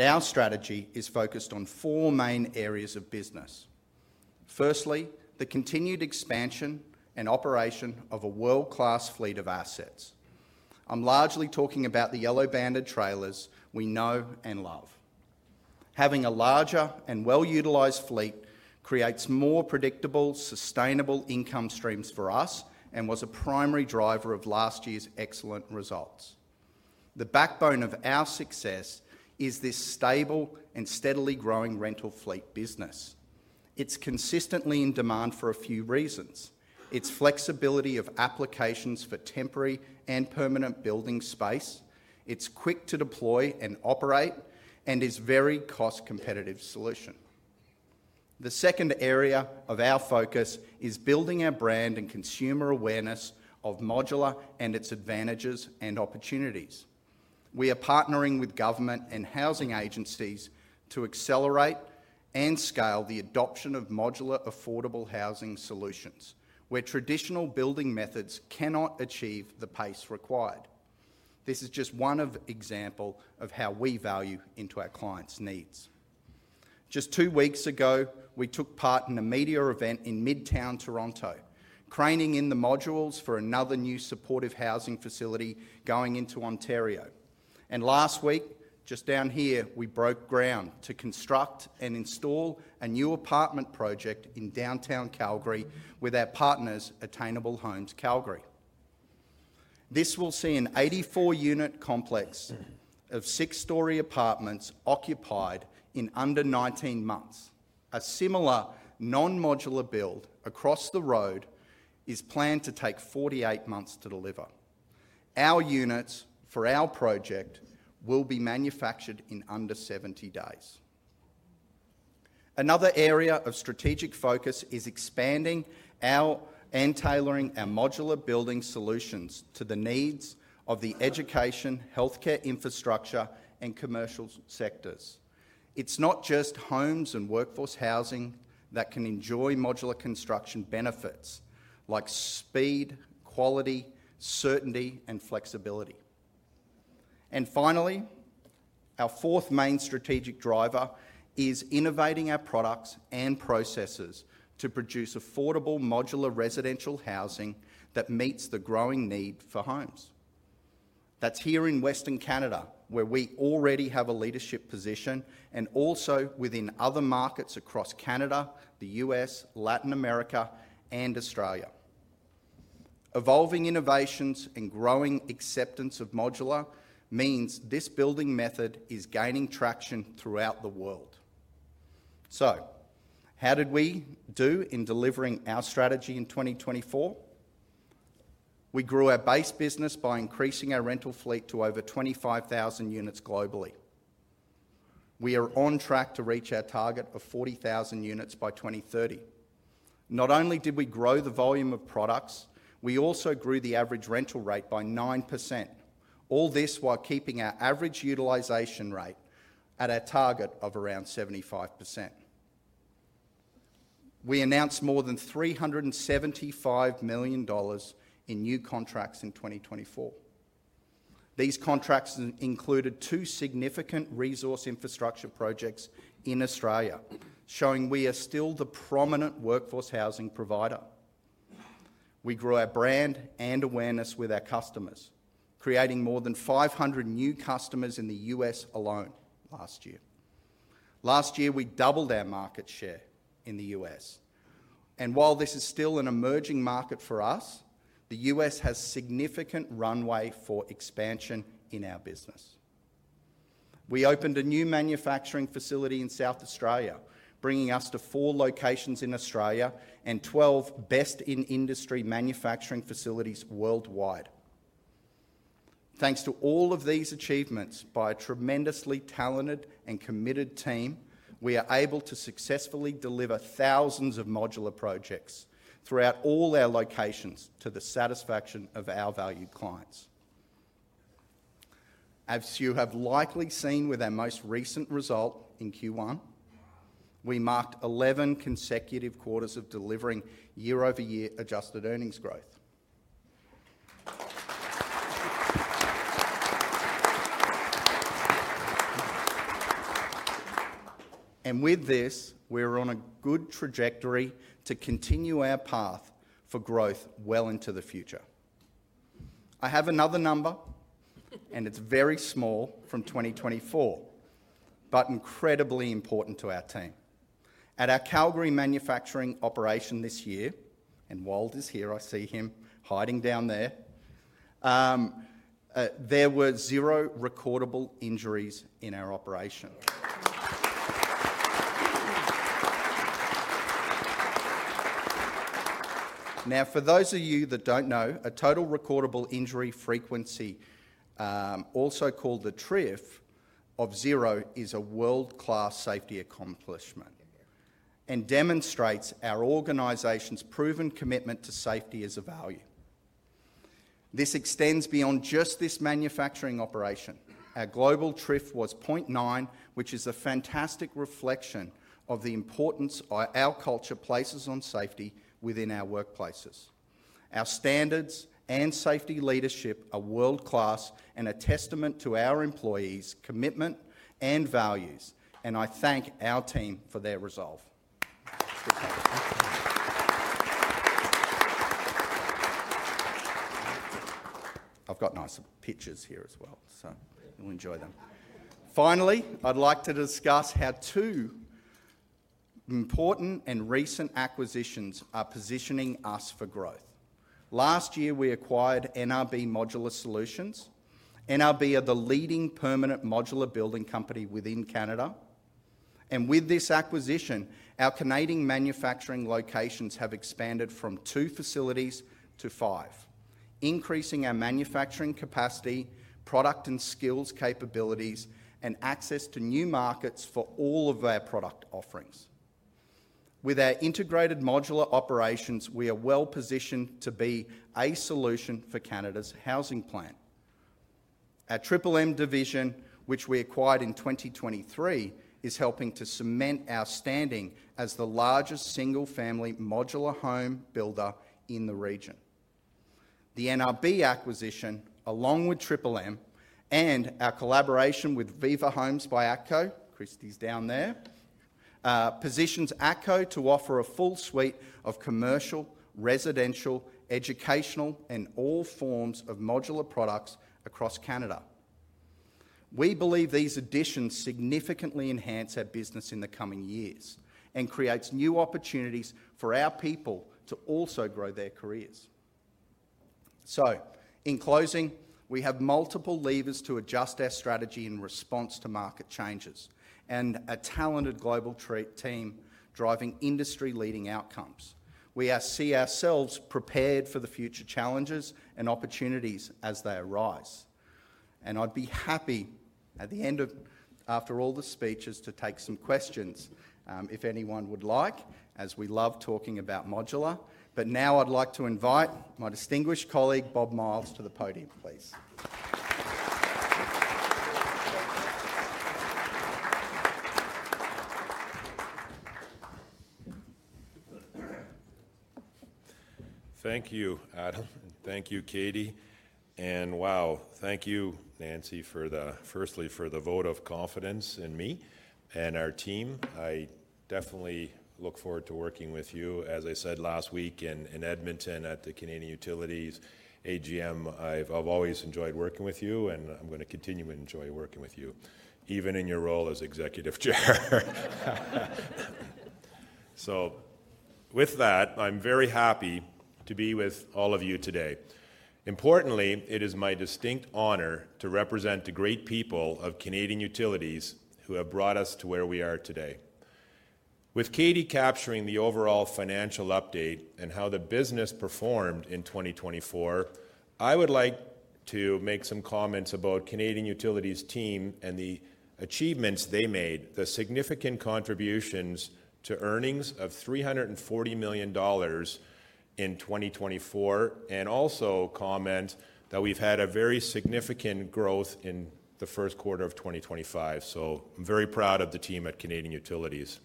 Our strategy is focused on four main areas of business. Firstly, the continued expansion and operation of a world-class fleet of assets. I'm largely talking about the yellow-banded trailers we know and love. Having a larger and well-utilized fleet creates more predictable, sustainable income streams for us and was a primary driver of last year's excellent results. The backbone of our success is this stable and steadily growing rental fleet business. It's consistently in demand for a few reasons. It's flexibility of applications for temporary and permanent building space. It's quick to deploy and operate and is a very cost-competitive solution. The second area of our focus is building our brand and consumer awareness of modular and its advantages and opportunities. We are partnering with government and housing agencies to accelerate and scale the adoption of modular affordable housing solutions where traditional building methods cannot achieve the pace required. This is just one example of how we value our clients' needs. Just two weeks ago, we took part in a media event in Midtown Toronto, craning in the modules for another new supportive housing facility going into Ontario. Last week, just down here, we broke ground to construct and install a new apartment project in downtown Calgary with our partners, Attainable Homes Calgary. This will see an 84-unit complex of six-story apartments occupied in under 19 months. A similar non-modular build across the road is planned to take 48 months to deliver. Our units for our project will be manufactured in under 70 days. Another area of strategic focus is expanding and tailoring our modular building solutions to the needs of the education, healthcare infrastructure, and commercial sectors. It is not just homes and workforce housing that can enjoy modular construction benefits like speed, quality, certainty, and flexibility. Finally, our fourth main strategic driver is innovating our products and processes to produce affordable modular residential housing that meets the growing need for homes. That is here in Western Canada, where we already have a leadership position and also within other markets across Canada, the U.S., Latin America, and Australia. Evolving innovations and growing acceptance of modular means this building method is gaining traction throughout the world. How did we do in delivering our strategy in 2024? We grew our base business by increasing our rental fleet to over 25,000 units globally. We are on track to reach our target of 40,000 units by 2030. Not only did we grow the volume of products, we also grew the average rental rate by 9%, all this while keeping our average utilization rate at a target of around 75%. We announced more than 375 million dollars in new contracts in 2024. These contracts included two significant resource infrastructure projects in Australia, showing we are still the prominent workforce housing provider. We grew our brand and awareness with our customers, creating more than 500 new customers in the U.S. alone last year. Last year, we doubled our market share in the U.S. While this is still an emerging market for us, the U.S. has significant runway for expansion in our business. We opened a new manufacturing facility in South Australia, bringing us to four locations in Australia and 12 best-in-industry manufacturing facilities worldwide. Thanks to all of these achievements by a tremendously talented and committed team, we are able to successfully deliver thousands of modular projects throughout all our locations to the satisfaction of our valued clients. As you have likely seen with our most recent result in Q1, we marked 11 consecutive quarters of delivering year-over-year adjusted earnings growth. With this, we are on a good trajectory to continue our path for growth well into the future. I have another number, and it's very small from 2024, but incredibly important to our team. At our Calgary manufacturing operation this year, and Wald is here, I see him hiding down there, there were zero recordable injuries in our operation. Now, for those of you that don't know, a total recordable injury frequency, also called the TRIF of zero, is a world-class safety accomplishment and demonstrates our organization's proven commitment to safety as a value. This extends beyond just this manufacturing operation. Our global TRIF was 0.9, which is a fantastic reflection of the importance our culture places on safety within our workplaces. Our standards and safety leadership are world-class and a testament to our employees' commitment and values. I thank our team for their resolve. I've got nice pictures here as well, so you'll enjoy them. Finally, I'd like to discuss how two important and recent acquisitions are positioning us for growth. Last year, we acquired NRB Modular Solutions. NRB are the leading permanent modular building company within Canada. With this acquisition, our Canadian manufacturing locations have expanded from two facilities to five, increasing our manufacturing capacity, product and skills capabilities, and access to new markets for all of our product offerings. With our integrated modular operations, we are well positioned to be a solution for Canada's housing plan. Our division, which we acquired in 2023, is helping to cement our standing as the largest single-family modular home builder in the region. The NRB acquisition, along with our collaboration with Viva Homes by ATCO, Kristy's down there, positions ATCO to offer a full suite of commercial, residential, educational, and all forms of modular products across Canada. We believe these additions significantly enhance our business in the coming years and create new opportunities for our people to also grow their careers. In closing, we have multiple levers to adjust our strategy in response to market changes and a talented global team driving industry-leading outcomes. We see ourselves prepared for the future challenges and opportunities as they arise. I'd be happy at the end of, after all the speeches, to take some questions if anyone would like, as we love talking about modular. Now I'd like to invite my distinguished colleague, Bob Miles, to the podium, please. Thank you, Adam. Thank you, Katie. Wow, thank you, Nancy, firstly for the vote of confidence in me and our team. I definitely look forward to working with you. As I said last week in Edmonton at the Canadian Utilities AGM, I've always enjoyed working with you, and I'm going to continue to enjoy working with you, even in your role as Executive Chair. With that, I'm very happy to be with all of you today. Importantly, it is my distinct honor to represent the great people of Canadian Utilities who have brought us to where we are today. With Katie capturing the overall financial update and how the business performed in 2024, I would like to make some comments about Canadian Utilities' team and the achievements they made, the significant contributions to earnings of 340 million dollars in 2024, and also comment that we've had a very significant growth in the first quarter of 2025. I am very proud of the team at Canadian Utilities.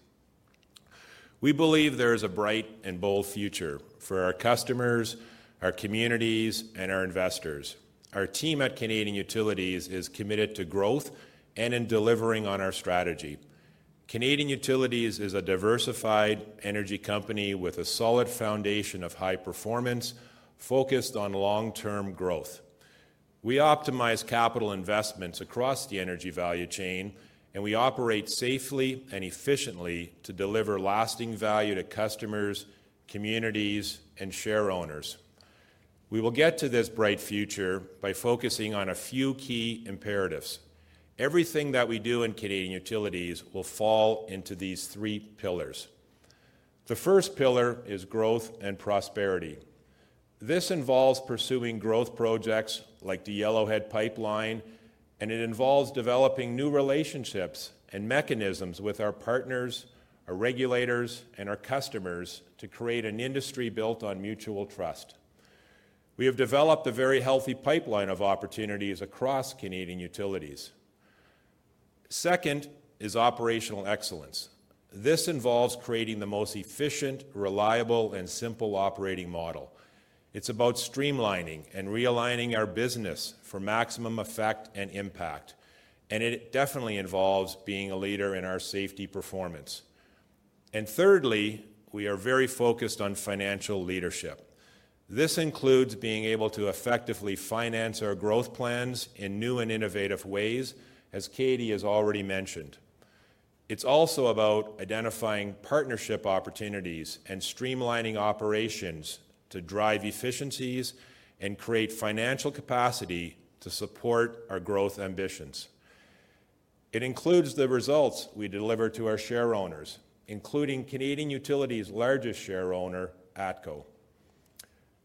We believe there is a bright and bold future for our customers, our communities, and our investors. Our team at Canadian Utilities is committed to growth and in delivering on our strategy. Canadian Utilities is a diversified energy company with a solid foundation of high performance focused on long-term growth. We optimize capital investments across the energy value chain, and we operate safely and efficiently to deliver lasting value to customers, communities, and shareholders. We will get to this bright future by focusing on a few key imperatives. Everything that we do in Canadian Utilities will fall into these three pillars. The first pillar is growth and prosperity. This involves pursuing growth projects like the Yellowhead Pipeline, and it involves developing new relationships and mechanisms with our partners, our regulators, and our customers to create an industry built on mutual trust. We have developed a very healthy pipeline of opportunities across Canadian Utilities. Second is operational excellence. This involves creating the most efficient, reliable, and simple operating model. It is about streamlining and realigning our business for maximum effect and impact. It definitely involves being a leader in our safety performance. Thirdly, we are very focused on financial leadership. This includes being able to effectively finance our growth plans in new and innovative ways, as Katie has already mentioned. It's also about identifying partnership opportunities and streamlining operations to drive efficiencies and create financial capacity to support our growth ambitions. It includes the results we deliver to our shareholders, including Canadian Utilities' largest shareholder, ATCO.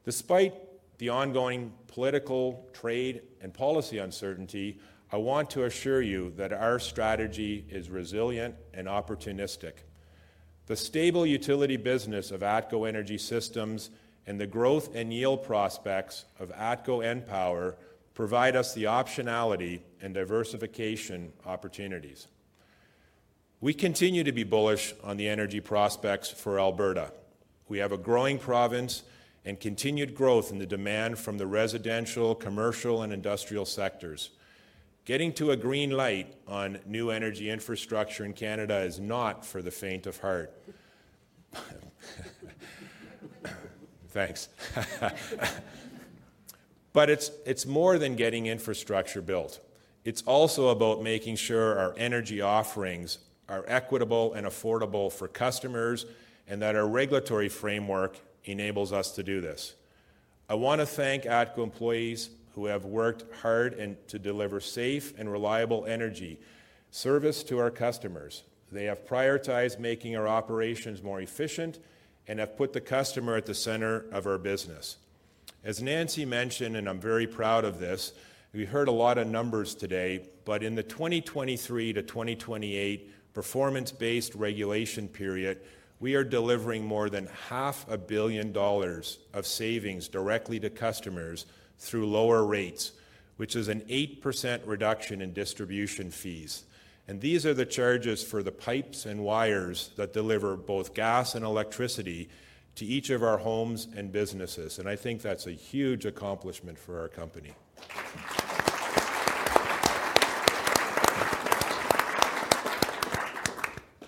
Despite the ongoing political, trade, and policy uncertainty, I want to assure you that our strategy is resilient and opportunistic. The stable utility business of ATCO Energy Systems and the growth and yield prospects of ATCO EnPower provide us the optionality and diversification opportunities. We continue to be bullish on the energy prospects for Alberta. We have a growing province and continued growth in the demand from the residential, commercial, and industrial sectors. Getting to a green light on new energy infrastructure in Canada is not for the faint of heart. Thanks. It is more than getting infrastructure built. It's also about making sure our energy offerings are equitable and affordable for customers and that our regulatory framework enables us to do this. I want to thank ATCO employees who have worked hard to deliver safe and reliable energy service to our customers. They have prioritized making our operations more efficient and have put the customer at the center of our business. As Nancy mentioned, and I'm very proud of this, we heard a lot of numbers today, but in the 2023 to 2028 performance-based regulation period, we are delivering more than $500,000,000 of savings directly to customers through lower rates, which is an 8% reduction in distribution fees. These are the charges for the pipes and wires that deliver both gas and electricity to each of our homes and businesses. I think that's a huge accomplishment for our company.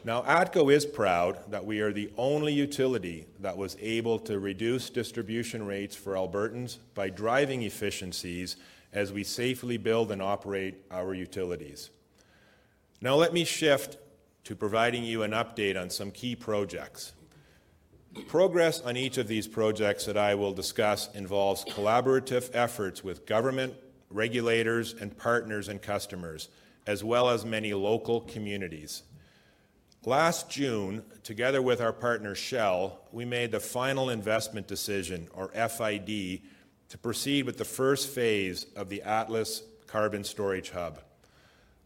Now, ATCO is proud that we are the only utility that was able to reduce distribution rates for Albertans by driving efficiencies as we safely build and operate our utilities. Now, let me shift to providing you an update on some key projects. Progress on each of these projects that I will discuss involves collaborative efforts with government, regulators, and partners and customers, as well as many local communities. Last June, together with our partner Shell, we made the final investment decision, or FID, to proceed with the first phase of the Atlas Carbon Storage Hub.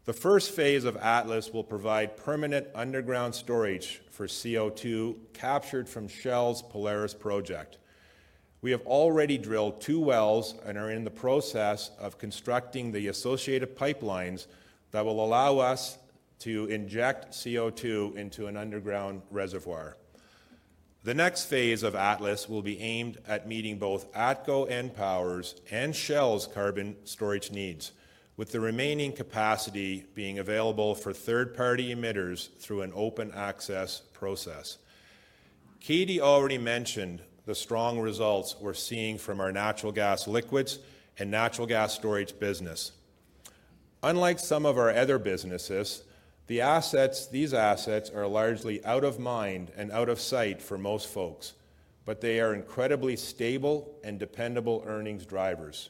The first phase of Atlas will provide permanent underground storage for CO2 captured from Shell's Polaris project. We have already drilled two wells and are in the process of constructing the associated pipelines that will allow us to inject CO2 into an underground reservoir. The next phase of Atlas will be aimed at meeting both ATCO EnPower's and Shell's carbon storage needs, with the remaining capacity being available for third-party emitters through an open access process. Katie already mentioned the strong results we're seeing from our natural gas liquids and natural gas storage business. Unlike some of our other businesses, these assets are largely out of mind and out of sight for most folks, but they are incredibly stable and dependable earnings drivers.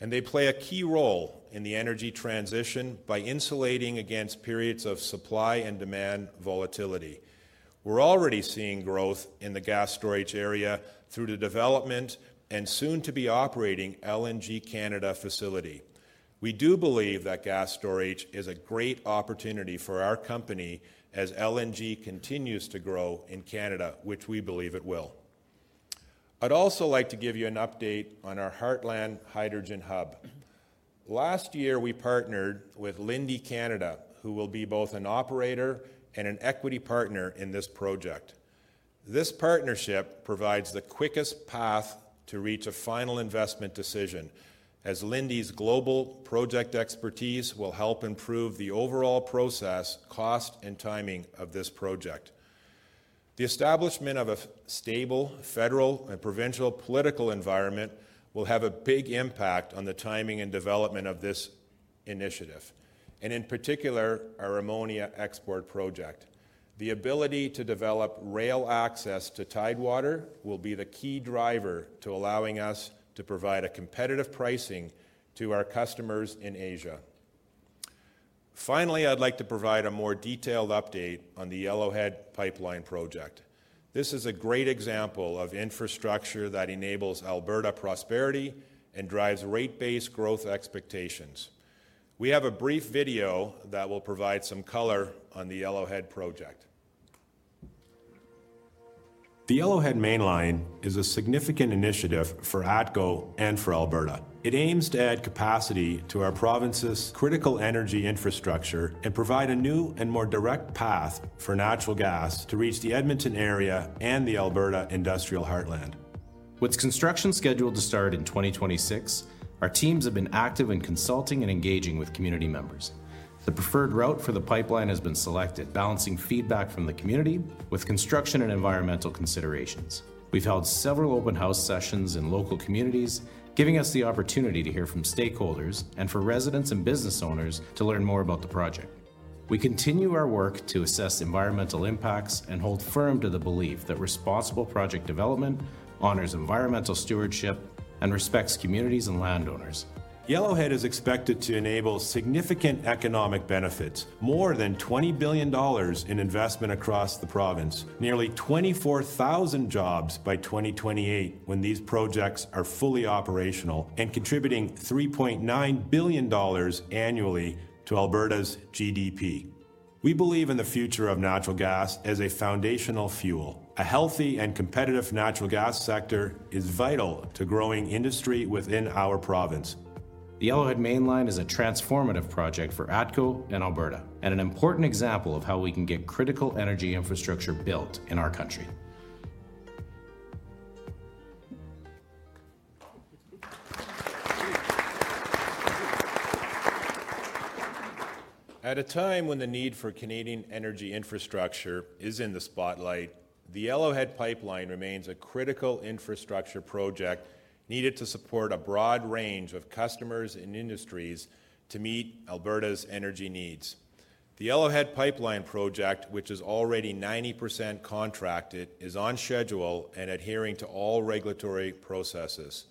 They play a key role in the energy transition by insulating against periods of supply and demand volatility. We're already seeing growth in the gas storage area through the development and soon-to-be-operating LNG Canada facility. We do believe that gas storage is a great opportunity for our company as LNG continues to grow in Canada, which we believe it will. I'd also like to give you an update on our Heartland Hydrogen Hub. Last year, we partnered with Linde Canada, who will be both an operator and an equity partner in this project. This partnership provides the quickest path to reach a final investment decision, as Linde's global project expertise will help improve the overall process, cost, and timing of this project. The establishment of a stable federal and provincial political environment will have a big impact on the timing and development of this initiative, and in particular, our ammonia export project. The ability to develop rail access to Tidewater will be the key driver to allowing us to provide a competitive pricing to our customers in Asia. Finally, I'd like to provide a more detailed update on the Yellowhead Pipeline project. This is a great example of infrastructure that enables Alberta prosperity and drives rate-based growth expectations. We have a brief video that will provide some color on the Yellowhead project. The Yellowhead Mainline is a significant initiative for ATCO and for Alberta. It aims to add capacity to our province's critical energy infrastructure and provide a new and more direct path for natural gas to reach the Edmonton area and the Alberta industrial heartland. With construction scheduled to start in 2026, our teams have been active in consulting and engaging with community members. The preferred route for the pipeline has been selected, balancing feedback from the community with construction and environmental considerations. We've held several open house sessions in local communities, giving us the opportunity to hear from stakeholders and for residents and business owners to learn more about the project. We continue our work to assess environmental impacts and hold firm to the belief that responsible project development honors environmental stewardship and respects communities and landowners. Yellowhead is expected to enable significant economic benefits, more than 20 billion dollars in investment across the province, nearly 24,000 jobs by 2028 when these projects are fully operational and contributing 3.9 billion dollars annually to Alberta's GDP. We believe in the future of natural gas as a foundational fuel. A healthy and competitive natural gas sector is vital to growing industry within our province. The Yellowhead Mainline is a transformative project for ATCO and Alberta and an important example of how we can get critical energy infrastructure built in our country. At a time when the need for Canadian energy infrastructure is in the spotlight, the Yellowhead Pipeline remains a critical infrastructure project needed to support a broad range of customers and industries to meet Alberta's energy needs. The Yellowhead Pipeline project, which is already 90% contracted, is on schedule and adhering to all regulatory processes.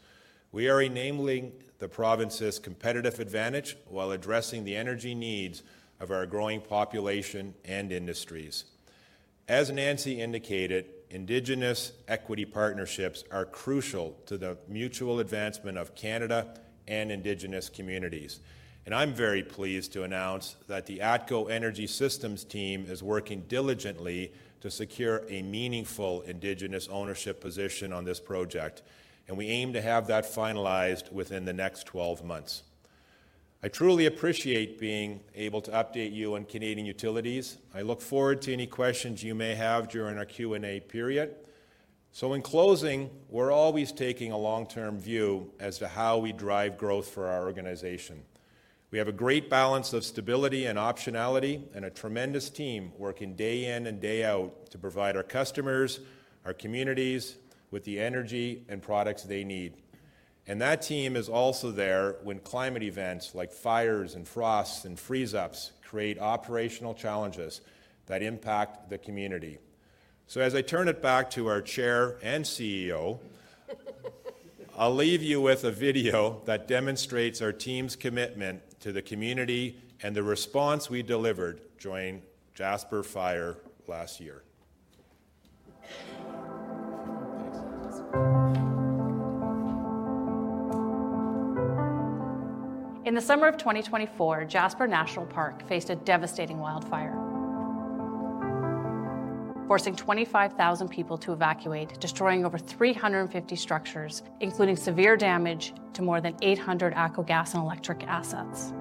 We are enabling the province's competitive advantage while addressing the energy needs of our growing population and industries. As Nancy indicated, Indigenous equity partnerships are crucial to the mutual advancement of Canada and Indigenous communities. I am very pleased to announce that the ATCO Energy Systems team is working diligently to secure a meaningful Indigenous ownership position on this project. We aim to have that finalized within the next 12 months. I truly appreciate being able to update you on Canadian Utilities. I look forward to any questions you may have during our Q&A period. In closing, we're always taking a long-term view as to how we drive growth for our organization. We have a great balance of stability and optionality and a tremendous team working day in and day out to provide our customers, our communities, with the energy and products they need. That team is also there when climate events like fires and frosts and freeze-ups create operational challenges that impact the community. As I turn it back to our Chair and CEO, I'll leave you with a video that demonstrates our team's commitment to the community and the response we delivered during Jasper Fire last year. In the summer of 2024, Jasper National Park faced a devastating wildfire, forcing 25,000 people to evacuate, destroying over 350 structures, including severe damage to more than 800 ATCO gas and electric assets.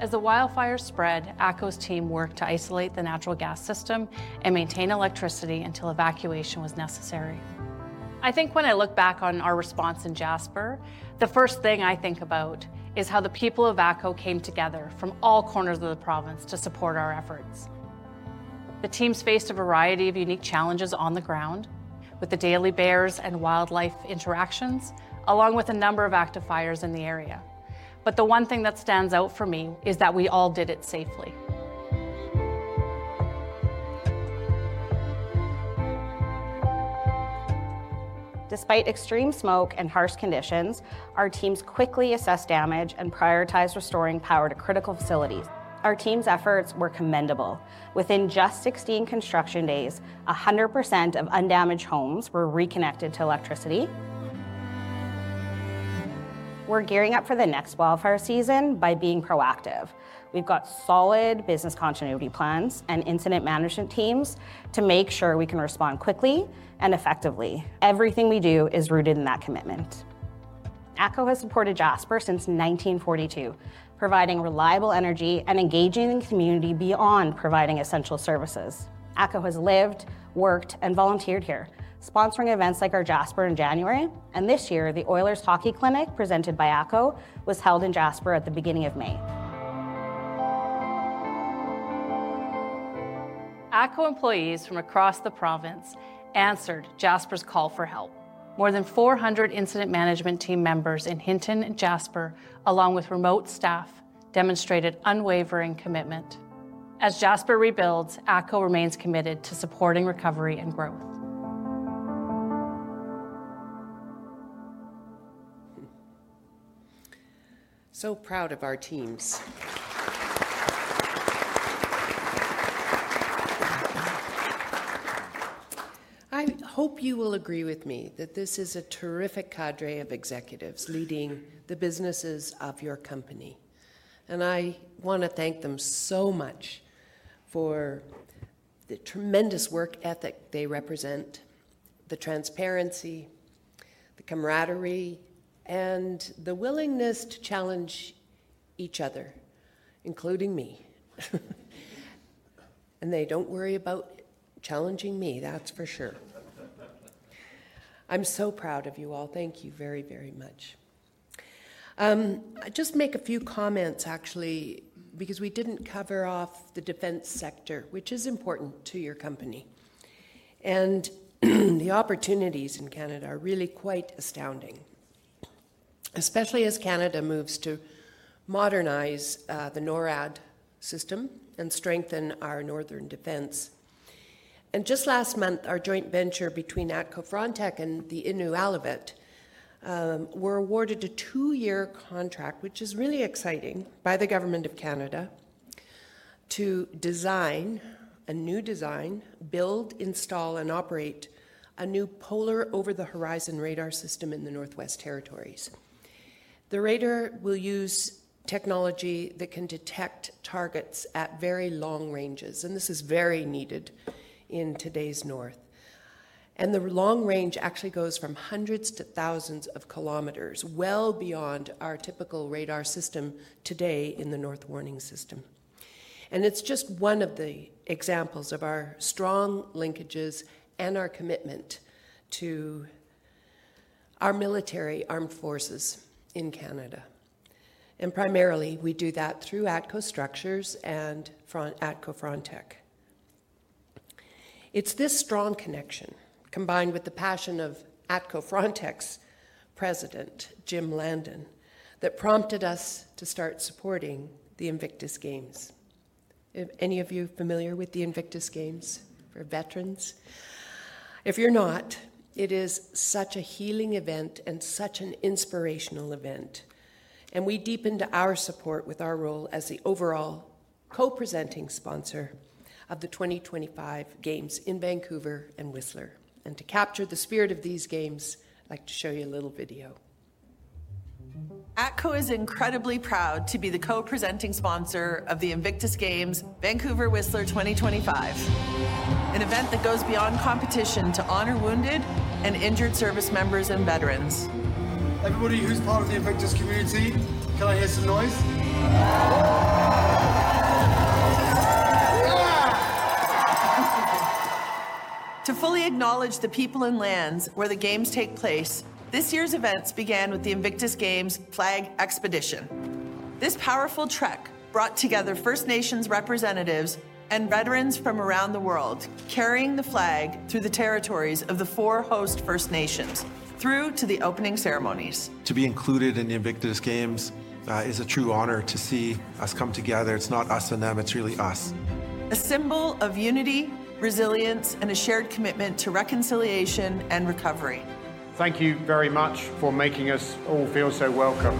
As the wildfire spread, ATCO's team worked to isolate the natural gas system and maintain electricity until evacuation was necessary. I think when I look back on our response in Jasper, the first thing I think about is how the people of ATCO came together from all corners of the province to support our efforts. The teams faced a variety of unique challenges on the ground with the daily bears and wildlife interactions, along with a number of active fires in the area. The one thing that stands out for me is that we all did it safely. Despite extreme smoke and harsh conditions, our teams quickly assessed damage and prioritized restoring power to critical facilities. Our team's efforts were commendable. Within just 16 construction days, 100% of undamaged homes were reconnected to electricity. We are gearing up for the next wildfire season by being proactive. We have got solid business continuity plans and incident management teams to make sure we can respond quickly and effectively. Everything we do is rooted in that commitment. ATCO has supported Jasper since 1942, providing reliable energy and engaging the community beyond providing essential services. ATCO has lived, worked, and volunteered here, sponsoring events like our Jasper in January. This year, the Oilers Hockey Clinic, presented by ATCO, was held in Jasper at the beginning of May. ATCO employees from across the province answered Jasper's call for help. More than 400 incident management team members in Hinton and Jasper, along with remote staff, demonstrated unwavering commitment. As Jasper rebuilds, ATCO remains committed to supporting recovery and growth. Proud of our teams. I hope you will agree with me that this is a terrific cadre of executives leading the businesses of your company. I want to thank them so much for the tremendous work ethic they represent, the transparency, the camaraderie, and the willingness to challenge each other, including me. They do not worry about challenging me, that is for sure. I am so proud of you all. Thank you very, very much. I will just make a few comments, actually, because we did not cover off the defense sector, which is important to your company. The opportunities in Canada are really quite astounding, especially as Canada moves to modernize the NORAD system and strengthen our northern defense. Just last month, our joint venture between ATCO Frontech and the Inuvialuit were awarded a two-year contract, which is really exciting, by the government of Canada to design, build, install, and operate a new Polar Over-the-Horizon Radar system in the Northwest Territories. The radar will use technology that can detect targets at very long ranges, and this is very needed in today's north. The long range actually goes from hundreds to thousands of kilometers, well beyond our typical radar system today in the North Warning System. It is just one of the examples of our strong linkages and our commitment to our military armed forces in Canada. Primarily, we do that through ATCO Structures and ATCO Frontech. It is this strong connection, combined with the passion of ATCO Frontech's President, Jim Landon, that prompted us to start supporting the Invictus Games. Any of you familiar with the Invictus Games for veterans? If you're not, it is such a healing event and such an inspirational event. We deepened our support with our role as the overall co-presenting sponsor of the 2025 Games in Vancouver and Whistler. To capture the spirit of these games, I'd like to show you a little video. ATCO is incredibly proud to be the co-presenting sponsor of the Invictus Games Vancouver Whistler 2025, an event that goes beyond competition to honor wounded and injured service members and veterans. Everybody who's part of the Invictus community, can I hear some noise? To fully acknowledge the people and lands where the games take place, this year's events began with the Invictus Games Flag Expedition. This powerful trek brought together First Nations representatives and veterans from around the world, carrying the flag through the territories of the four host First Nations through to the opening ceremonies. To be included in the Invictus Games is a true honor to see us come together. It's not us and them, it's really us. A symbol of unity, resilience, and a shared commitment to reconciliation and recovery. Thank you very much for making us all feel so welcome.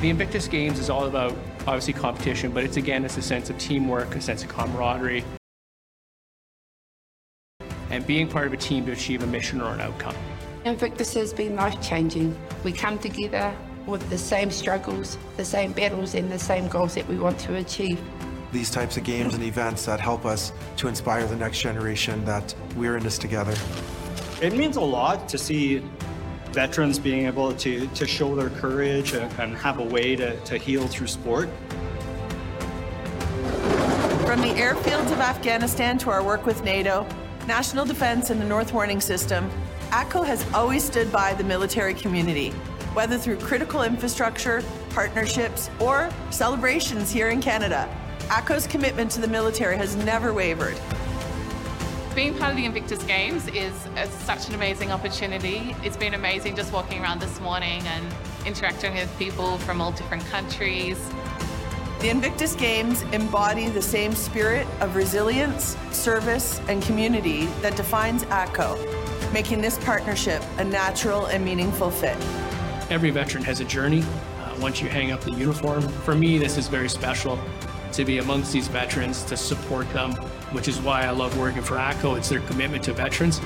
The Invictus Games is all about, obviously, competition, but it's, again, it's a sense of teamwork, a sense of camaraderie, and being part of a team to achieve a mission or an outcome. Invictus has been life-changing. We come together with the same struggles, the same battles, and the same goals that we want to achieve. These types of games and events that help us to inspire the next generation that we're in this together. It means a lot to see veterans being able to show their courage and have a way to heal through sport. From the airfields of Afghanistan to our work with NATO, National Defense, and the North Warning System, ATCO has always stood by the military community, whether through critical infrastructure, partnerships, or celebrations here in Canada. ATCO's commitment to the military has never wavered. Being part of the Invictus Games is such an amazing opportunity. It's been amazing just walking around this morning and interacting with people from all different countries. The Invictus Games embody the same spirit of resilience, service, and community that defines ATCO, making this partnership a natural and meaningful fit. Every veteran has a journey once you hang up the uniform. For me, this is very special to be amongst these veterans, to support them, which is why I love working for ATCO. It is their commitment to veterans.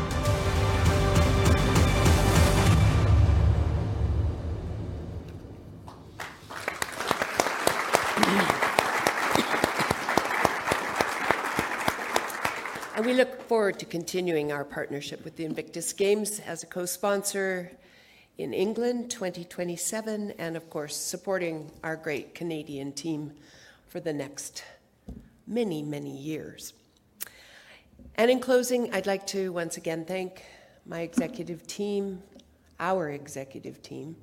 We look forward to continuing our partnership with the Invictus Games as a co-sponsor in England 2027, and of course, supporting our great Canadian team for the next many, many years. In closing, I would like to once again thank my executive team, our executive team,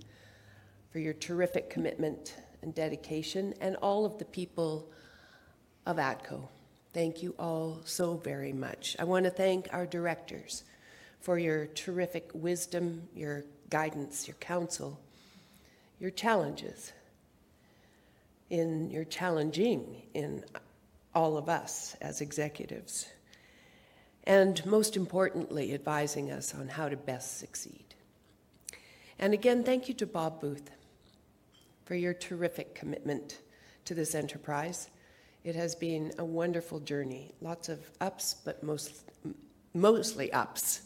for your terrific commitment and dedication, and all of the people of ATCO. Thank you all so very much. I want to thank our directors for your terrific wisdom, your guidance, your counsel, your challenges in your challenging all of us as executives, and most importantly, advising us on how to best succeed. Again, thank you to Bob Booth for your terrific commitment to this enterprise. It has been a wonderful journey. Lots of ups, but mostly ups,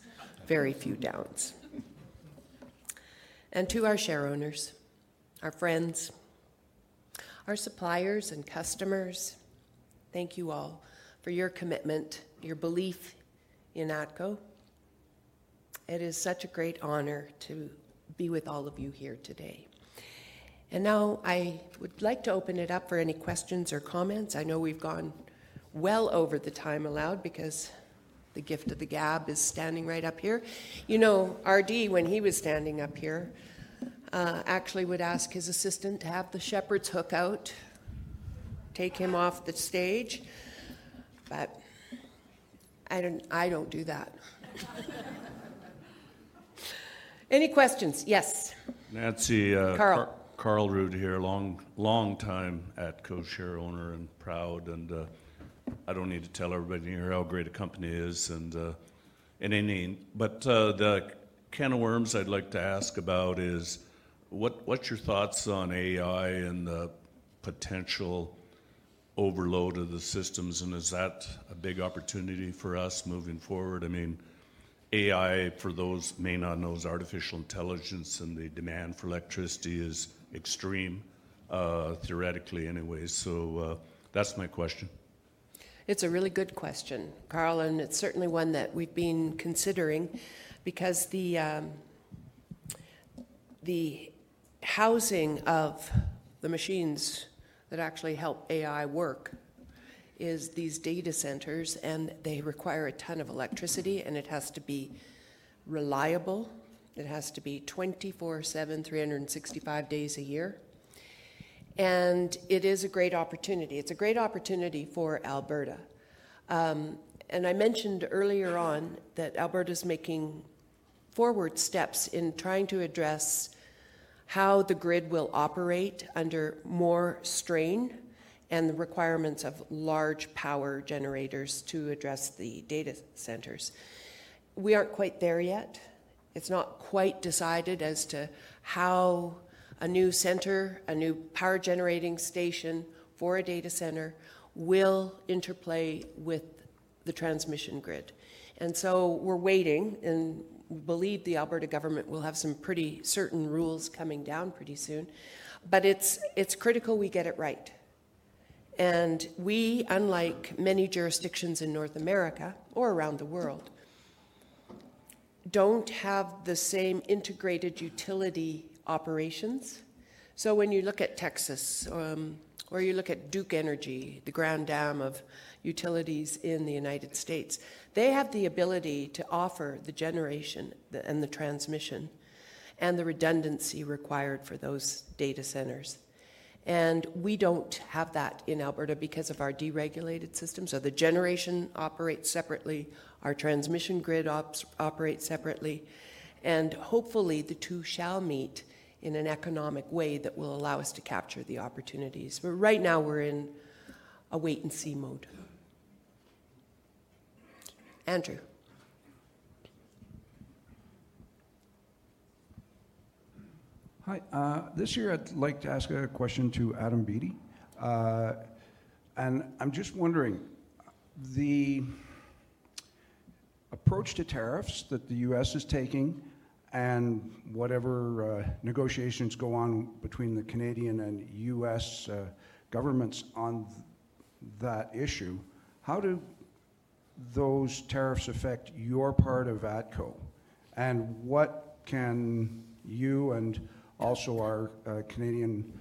very few downs. To our shareholders, our friends, our suppliers, and customers, thank you all for your commitment, your belief in ATCO. It is such a great honor to be with all of you here today. Now I would like to open it up for any questions or comments. I know we've gone well over the time allowed because the gift of the gab is standing right up here. You know, RD, when he was standing up here, actually would ask his assistant to have the shepherd's hook out, take him off the stage. I do not do that. Any questions? Yes. Nancy. Carl Roode here, long, long time ATCO share owner and proud. I do not need to tell everybody here how great a company is in any name. The can of worms I'd like to ask about is what's your thoughts on AI and the potential overload of the systems? Is that a big opportunity for us moving forward? I mean, AI, for those who may not know, is artificial intelligence, and the demand for electricity is extreme, theoretically anyway. That's my question. It's a really good question, Carl, and it's certainly one that we've been considering because the housing of the machines that actually help AI work is these data centers, and they require a ton of electricity, and it has to be reliable. It has to be 24/7, 365 days a year. It is a great opportunity. It's a great opportunity for Alberta. I mentioned earlier on that Alberta is making forward steps in trying to address how the grid will operate under more strain and the requirements of large power generators to address the data centers. We aren't quite there yet. It's not quite decided as to how a new center, a new power generating station for a data center will interplay with the transmission grid. We are waiting, and we believe the Alberta government will have some pretty certain rules coming down pretty soon. It is critical we get it right. We, unlike many jurisdictions in North America or around the world, do not have the same integrated utility operations. When you look at Texas or you look at Duke Energy, the grand dam of utilities in the United States, they have the ability to offer the generation and the transmission and the redundancy required for those data centers. We do not have that in Alberta because of our deregulated systems. The generation operates separately, our transmission grid operates separately. Hopefully, the two shall meet in an economic way that will allow us to capture the opportunities. Right now, we are in a wait-and-see mode. Andrew. Hi. This year, I would like to ask a question to Adam Beattie. I am just wondering, the approach to tariffs that the U.S. is taking and whatever negotiations go on between the Canadian and U.S. governments on that issue, how do those tariffs affect your part of ATCO? What can you and also our Canadian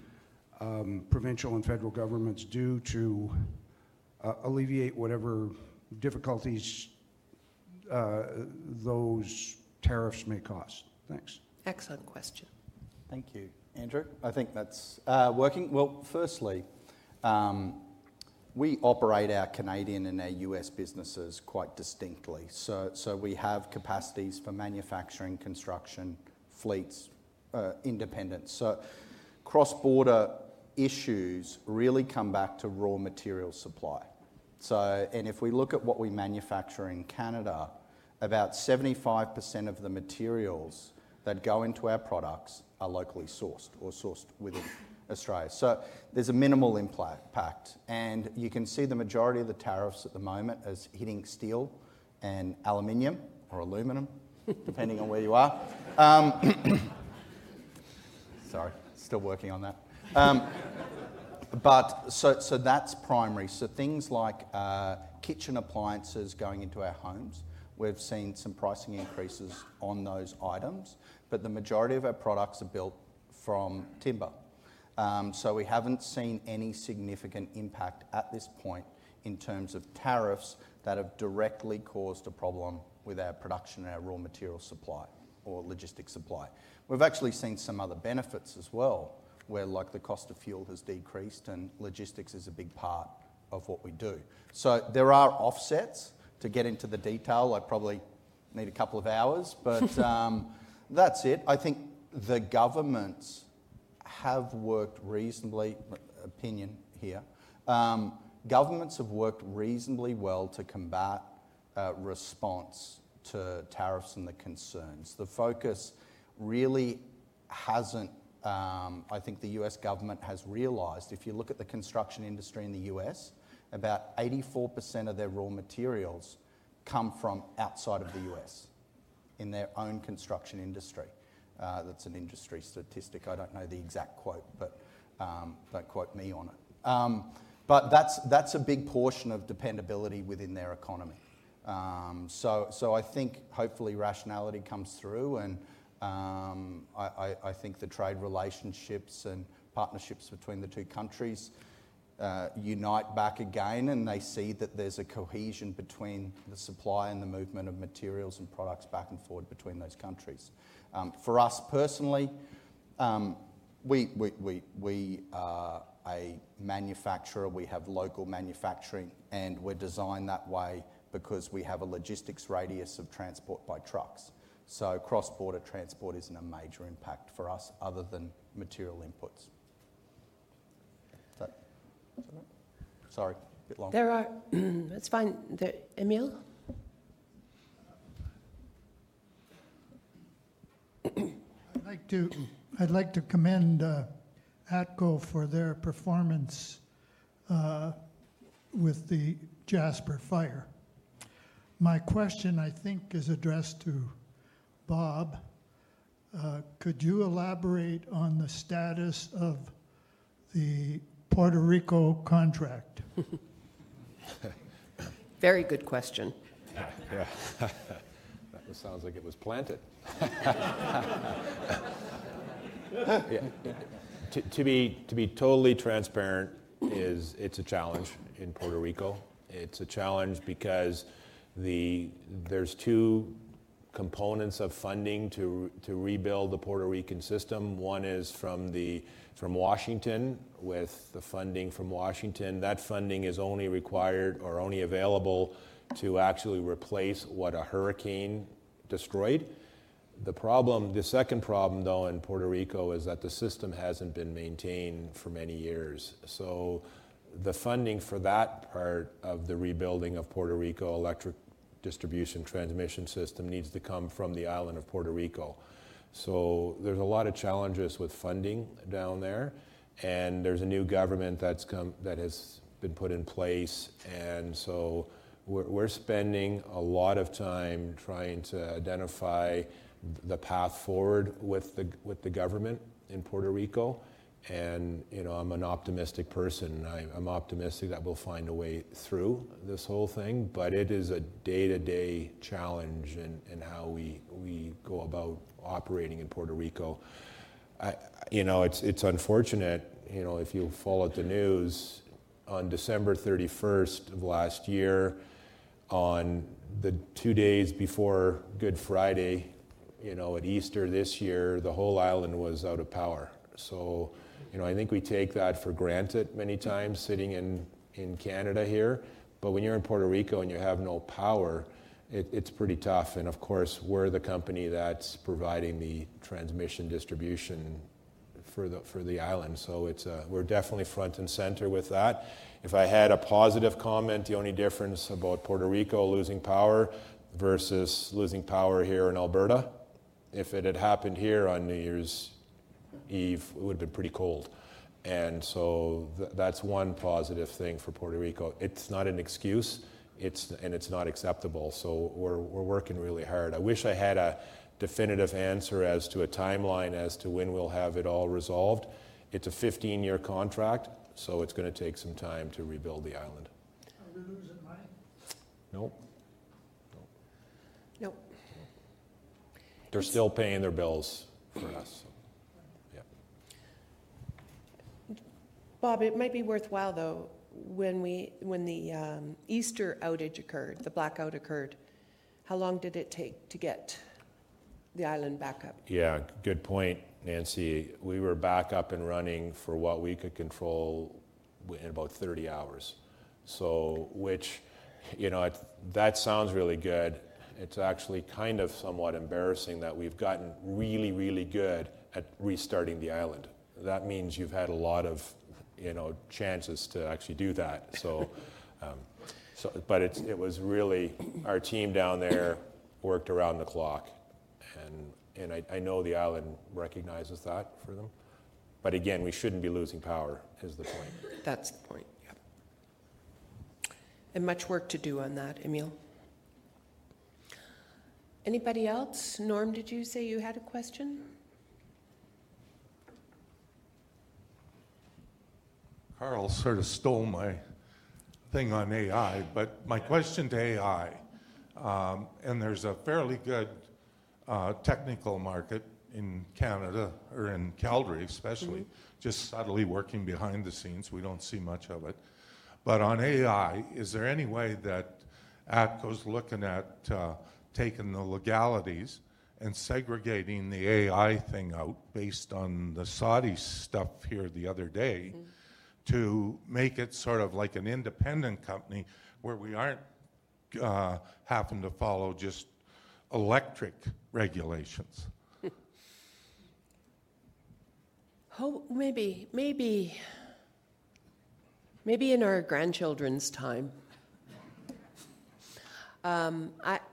provincial and federal governments do to alleviate whatever difficulties those tariffs may cause? Thanks. Excellent question. Thank you, Andrew. I think that's working. Firstly, we operate our Canadian and our U.S. businesses quite distinctly. We have capacities for manufacturing, construction, fleets, independent. Cross-border issues really come back to raw material supply. If we look at what we manufacture in Canada, about 75% of the materials that go into our products are locally sourced or sourced within Australia. There is a minimal impact. You can see the majority of the tariffs at the moment as hitting steel and aluminum or aluminum, depending on where you are. Sorry, still working on that. That's primary. Things like kitchen appliances going into our homes, we've seen some pricing increases on those items. The majority of our products are built from timber. We have not seen any significant impact at this point in terms of tariffs that have directly caused a problem with our production and our raw material supply or logistics supply. We have actually seen some other benefits as well, where the cost of fuel has decreased and logistics is a big part of what we do. There are offsets. To get into the detail, I probably need a couple of hours, but that is it. I think the governments have worked reasonably. Opinion here. Governments have worked reasonably well to combat response to tariffs and the concerns. The focus really has not, I think the U.S. government has realized, if you look at the construction industry in the U.S., about 84% of their raw materials come from outside of the U.S. in their own construction industry. That is an industry statistic. I don't know the exact quote, but don't quote me on it. That's a big portion of dependability within their economy. I think hopefully rationality comes through. I think the trade relationships and partnerships between the two countries unite back again, and they see that there's a cohesion between the supply and the movement of materials and products back and forth between those countries. For us personally, we are a manufacturer. We have local manufacturing, and we're designed that way because we have a logistics radius of transport by trucks. Cross-border transport isn't a major impact for us other than material inputs. Sorry, a bit long. There are. It's fine. Emil. I'd like to commend ATCO for their performance with the Jasper Fire. My question, I think, is addressed to Bob. Could you elaborate on the status of the Puerto Rico contract? Very good question. Yeah. That sounds like it was planted. Yeah. To be totally transparent, it's a challenge in Puerto Rico. It's a challenge because there's two components of funding to rebuild the Puerto Rican system. One is from Washington. With the funding from Washington, that funding is only required or only available to actually replace what a hurricane destroyed. The second problem, though, in Puerto Rico is that the system hasn't been maintained for many years. So the funding for that part of the rebuilding of Puerto Rico electric distribution transmission system needs to come from the island of Puerto Rico. There's a lot of challenges with funding down there. There's a new government that has been put in place. We're spending a lot of time trying to identify the path forward with the government in Puerto Rico. I'm an optimistic person. I'm optimistic that we'll find a way through this whole thing. It is a day-to-day challenge in how we go about operating in Puerto Rico. It's unfortunate if you follow the news on December 31 of last year, on the two days before Good Friday at Easter this year, the whole island was out of power. I think we take that for granted many times sitting in Canada here. When you're in Puerto Rico and you have no power, it's pretty tough. Of course, we're the company that's providing the transmission distribution for the island. We're definitely front and center with that. If I had a positive comment, the only difference about Puerto Rico losing power versus losing power here in Alberta, if it had happened here on New Year's Eve, it would have been pretty cold. That is one positive thing for Puerto Rico. It is not an excuse, and it is not acceptable. We are working really hard. I wish I had a definitive answer as to a timeline as to when we will have it all resolved. It is a 15-year contract, so it is going to take some time to rebuild the island. Are we losing money? Nope. Nope. Nope. They are still paying their bills for us. Yeah. Bob, it might be worthwhile, though, when the Easter outage occurred, the blackout occurred, how long did it take to get the island back up? Yeah, good point, Nancy. We were back up and running for what we could control in about 30 hours. That sounds really good. It is actually kind of somewhat embarrassing that we have gotten really, really good at restarting the island. That means you have had a lot of chances to actually do that. It was really our team down there worked around the clock. I know the island recognizes that for them. Again, we shouldn't be losing power is the point. That's the point. Yeah. Much work to do on that, Emil. Anybody else? Norm, did you say you had a question? Carl sort of stole my thing on AI, but my question to AI, and there's a fairly good technical market in Canada or in Calgary, especially, just subtly working behind the scenes. We don't see much of it. On AI, is there any way that ATCO's looking at taking the legalities and segregating the AI thing out based on the Saudi stuff here the other day to make it sort of like an independent company where we aren't having to follow just electric regulations? Maybe. Maybe in our grandchildren's time. I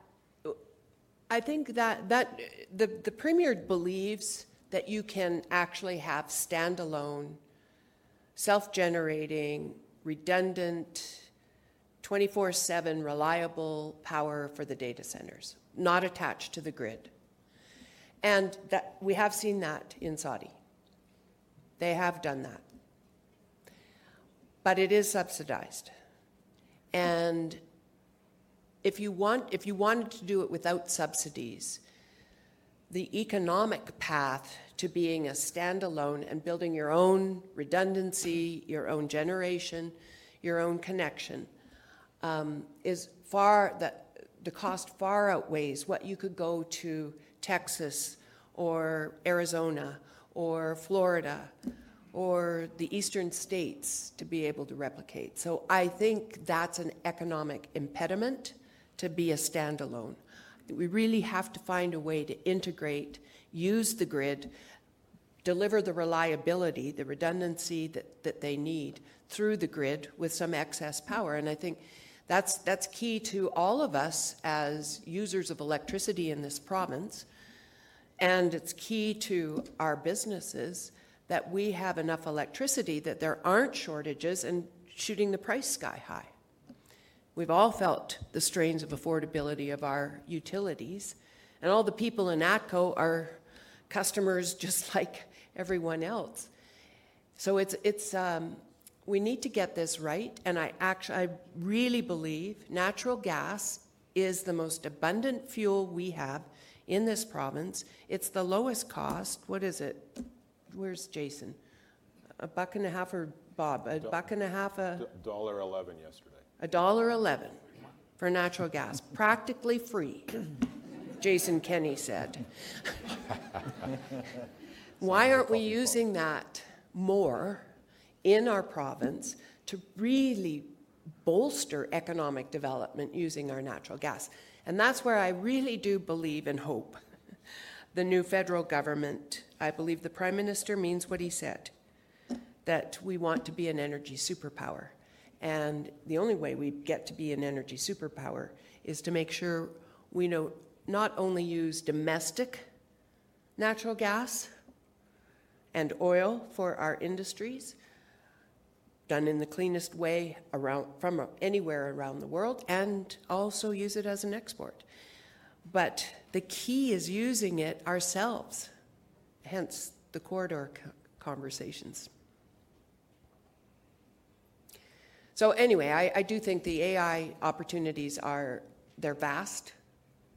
think that the Premier believes that you can actually have standalone, self-generating, redundant, 24/7 reliable power for the data centers, not attached to the grid. We have seen that in Saudi. They have done that. It is subsidized. If you wanted to do it without subsidies, the economic path to being a standalone and building your own redundancy, your own generation, your own connection is far, the cost far outweighs what you could go to Texas or Arizona or Florida or the Eastern States to be able to replicate. I think that is an economic impediment to be a standalone. We really have to find a way to integrate, use the grid, deliver the reliability, the redundancy that they need through the grid with some excess power. I think that is key to all of us as users of electricity in this province. It is key to our businesses that we have enough electricity that there are not shortages and shooting the price sky high. We have all felt the strains of affordability of our utilities. All the people in ATCO are customers just like everyone else. We need to get this right. I really believe natural gas is the most abundant fuel we have in this province. It is the lowest cost. What is it? Where is Jason? A buck and a half or Bob? A buck and a half, dollar 1.11 yesterday. Dollar 1.11 for natural gas. Practically free, Jason Kenney said. Why are we not using that more in our province to really bolster economic development using our natural gas? That is where I really do believe and hope the new federal government, I believe the Prime Minister means what he said, that we want to be an energy superpower. The only way we get to be an energy superpower is to make sure we not only use domestic natural gas and oil for our industries done in the cleanest way from anywhere around the world and also use it as an export. The key is using it ourselves, hence the corridor conversations. I do think the AI opportunities are, they're vast,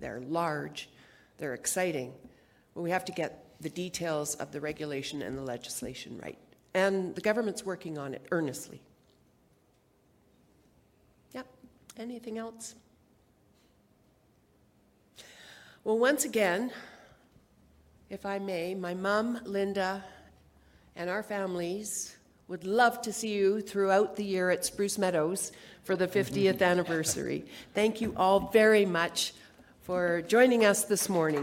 they're large, they're exciting. We have to get the details of the regulation and the legislation right. The government's working on it earnestly. Anything else? Once again, if I may, my mom, Linda, and our families would love to see you throughout the year at Spruce Meadows for the 50th anniversary. Thank you all very much for joining us this morning.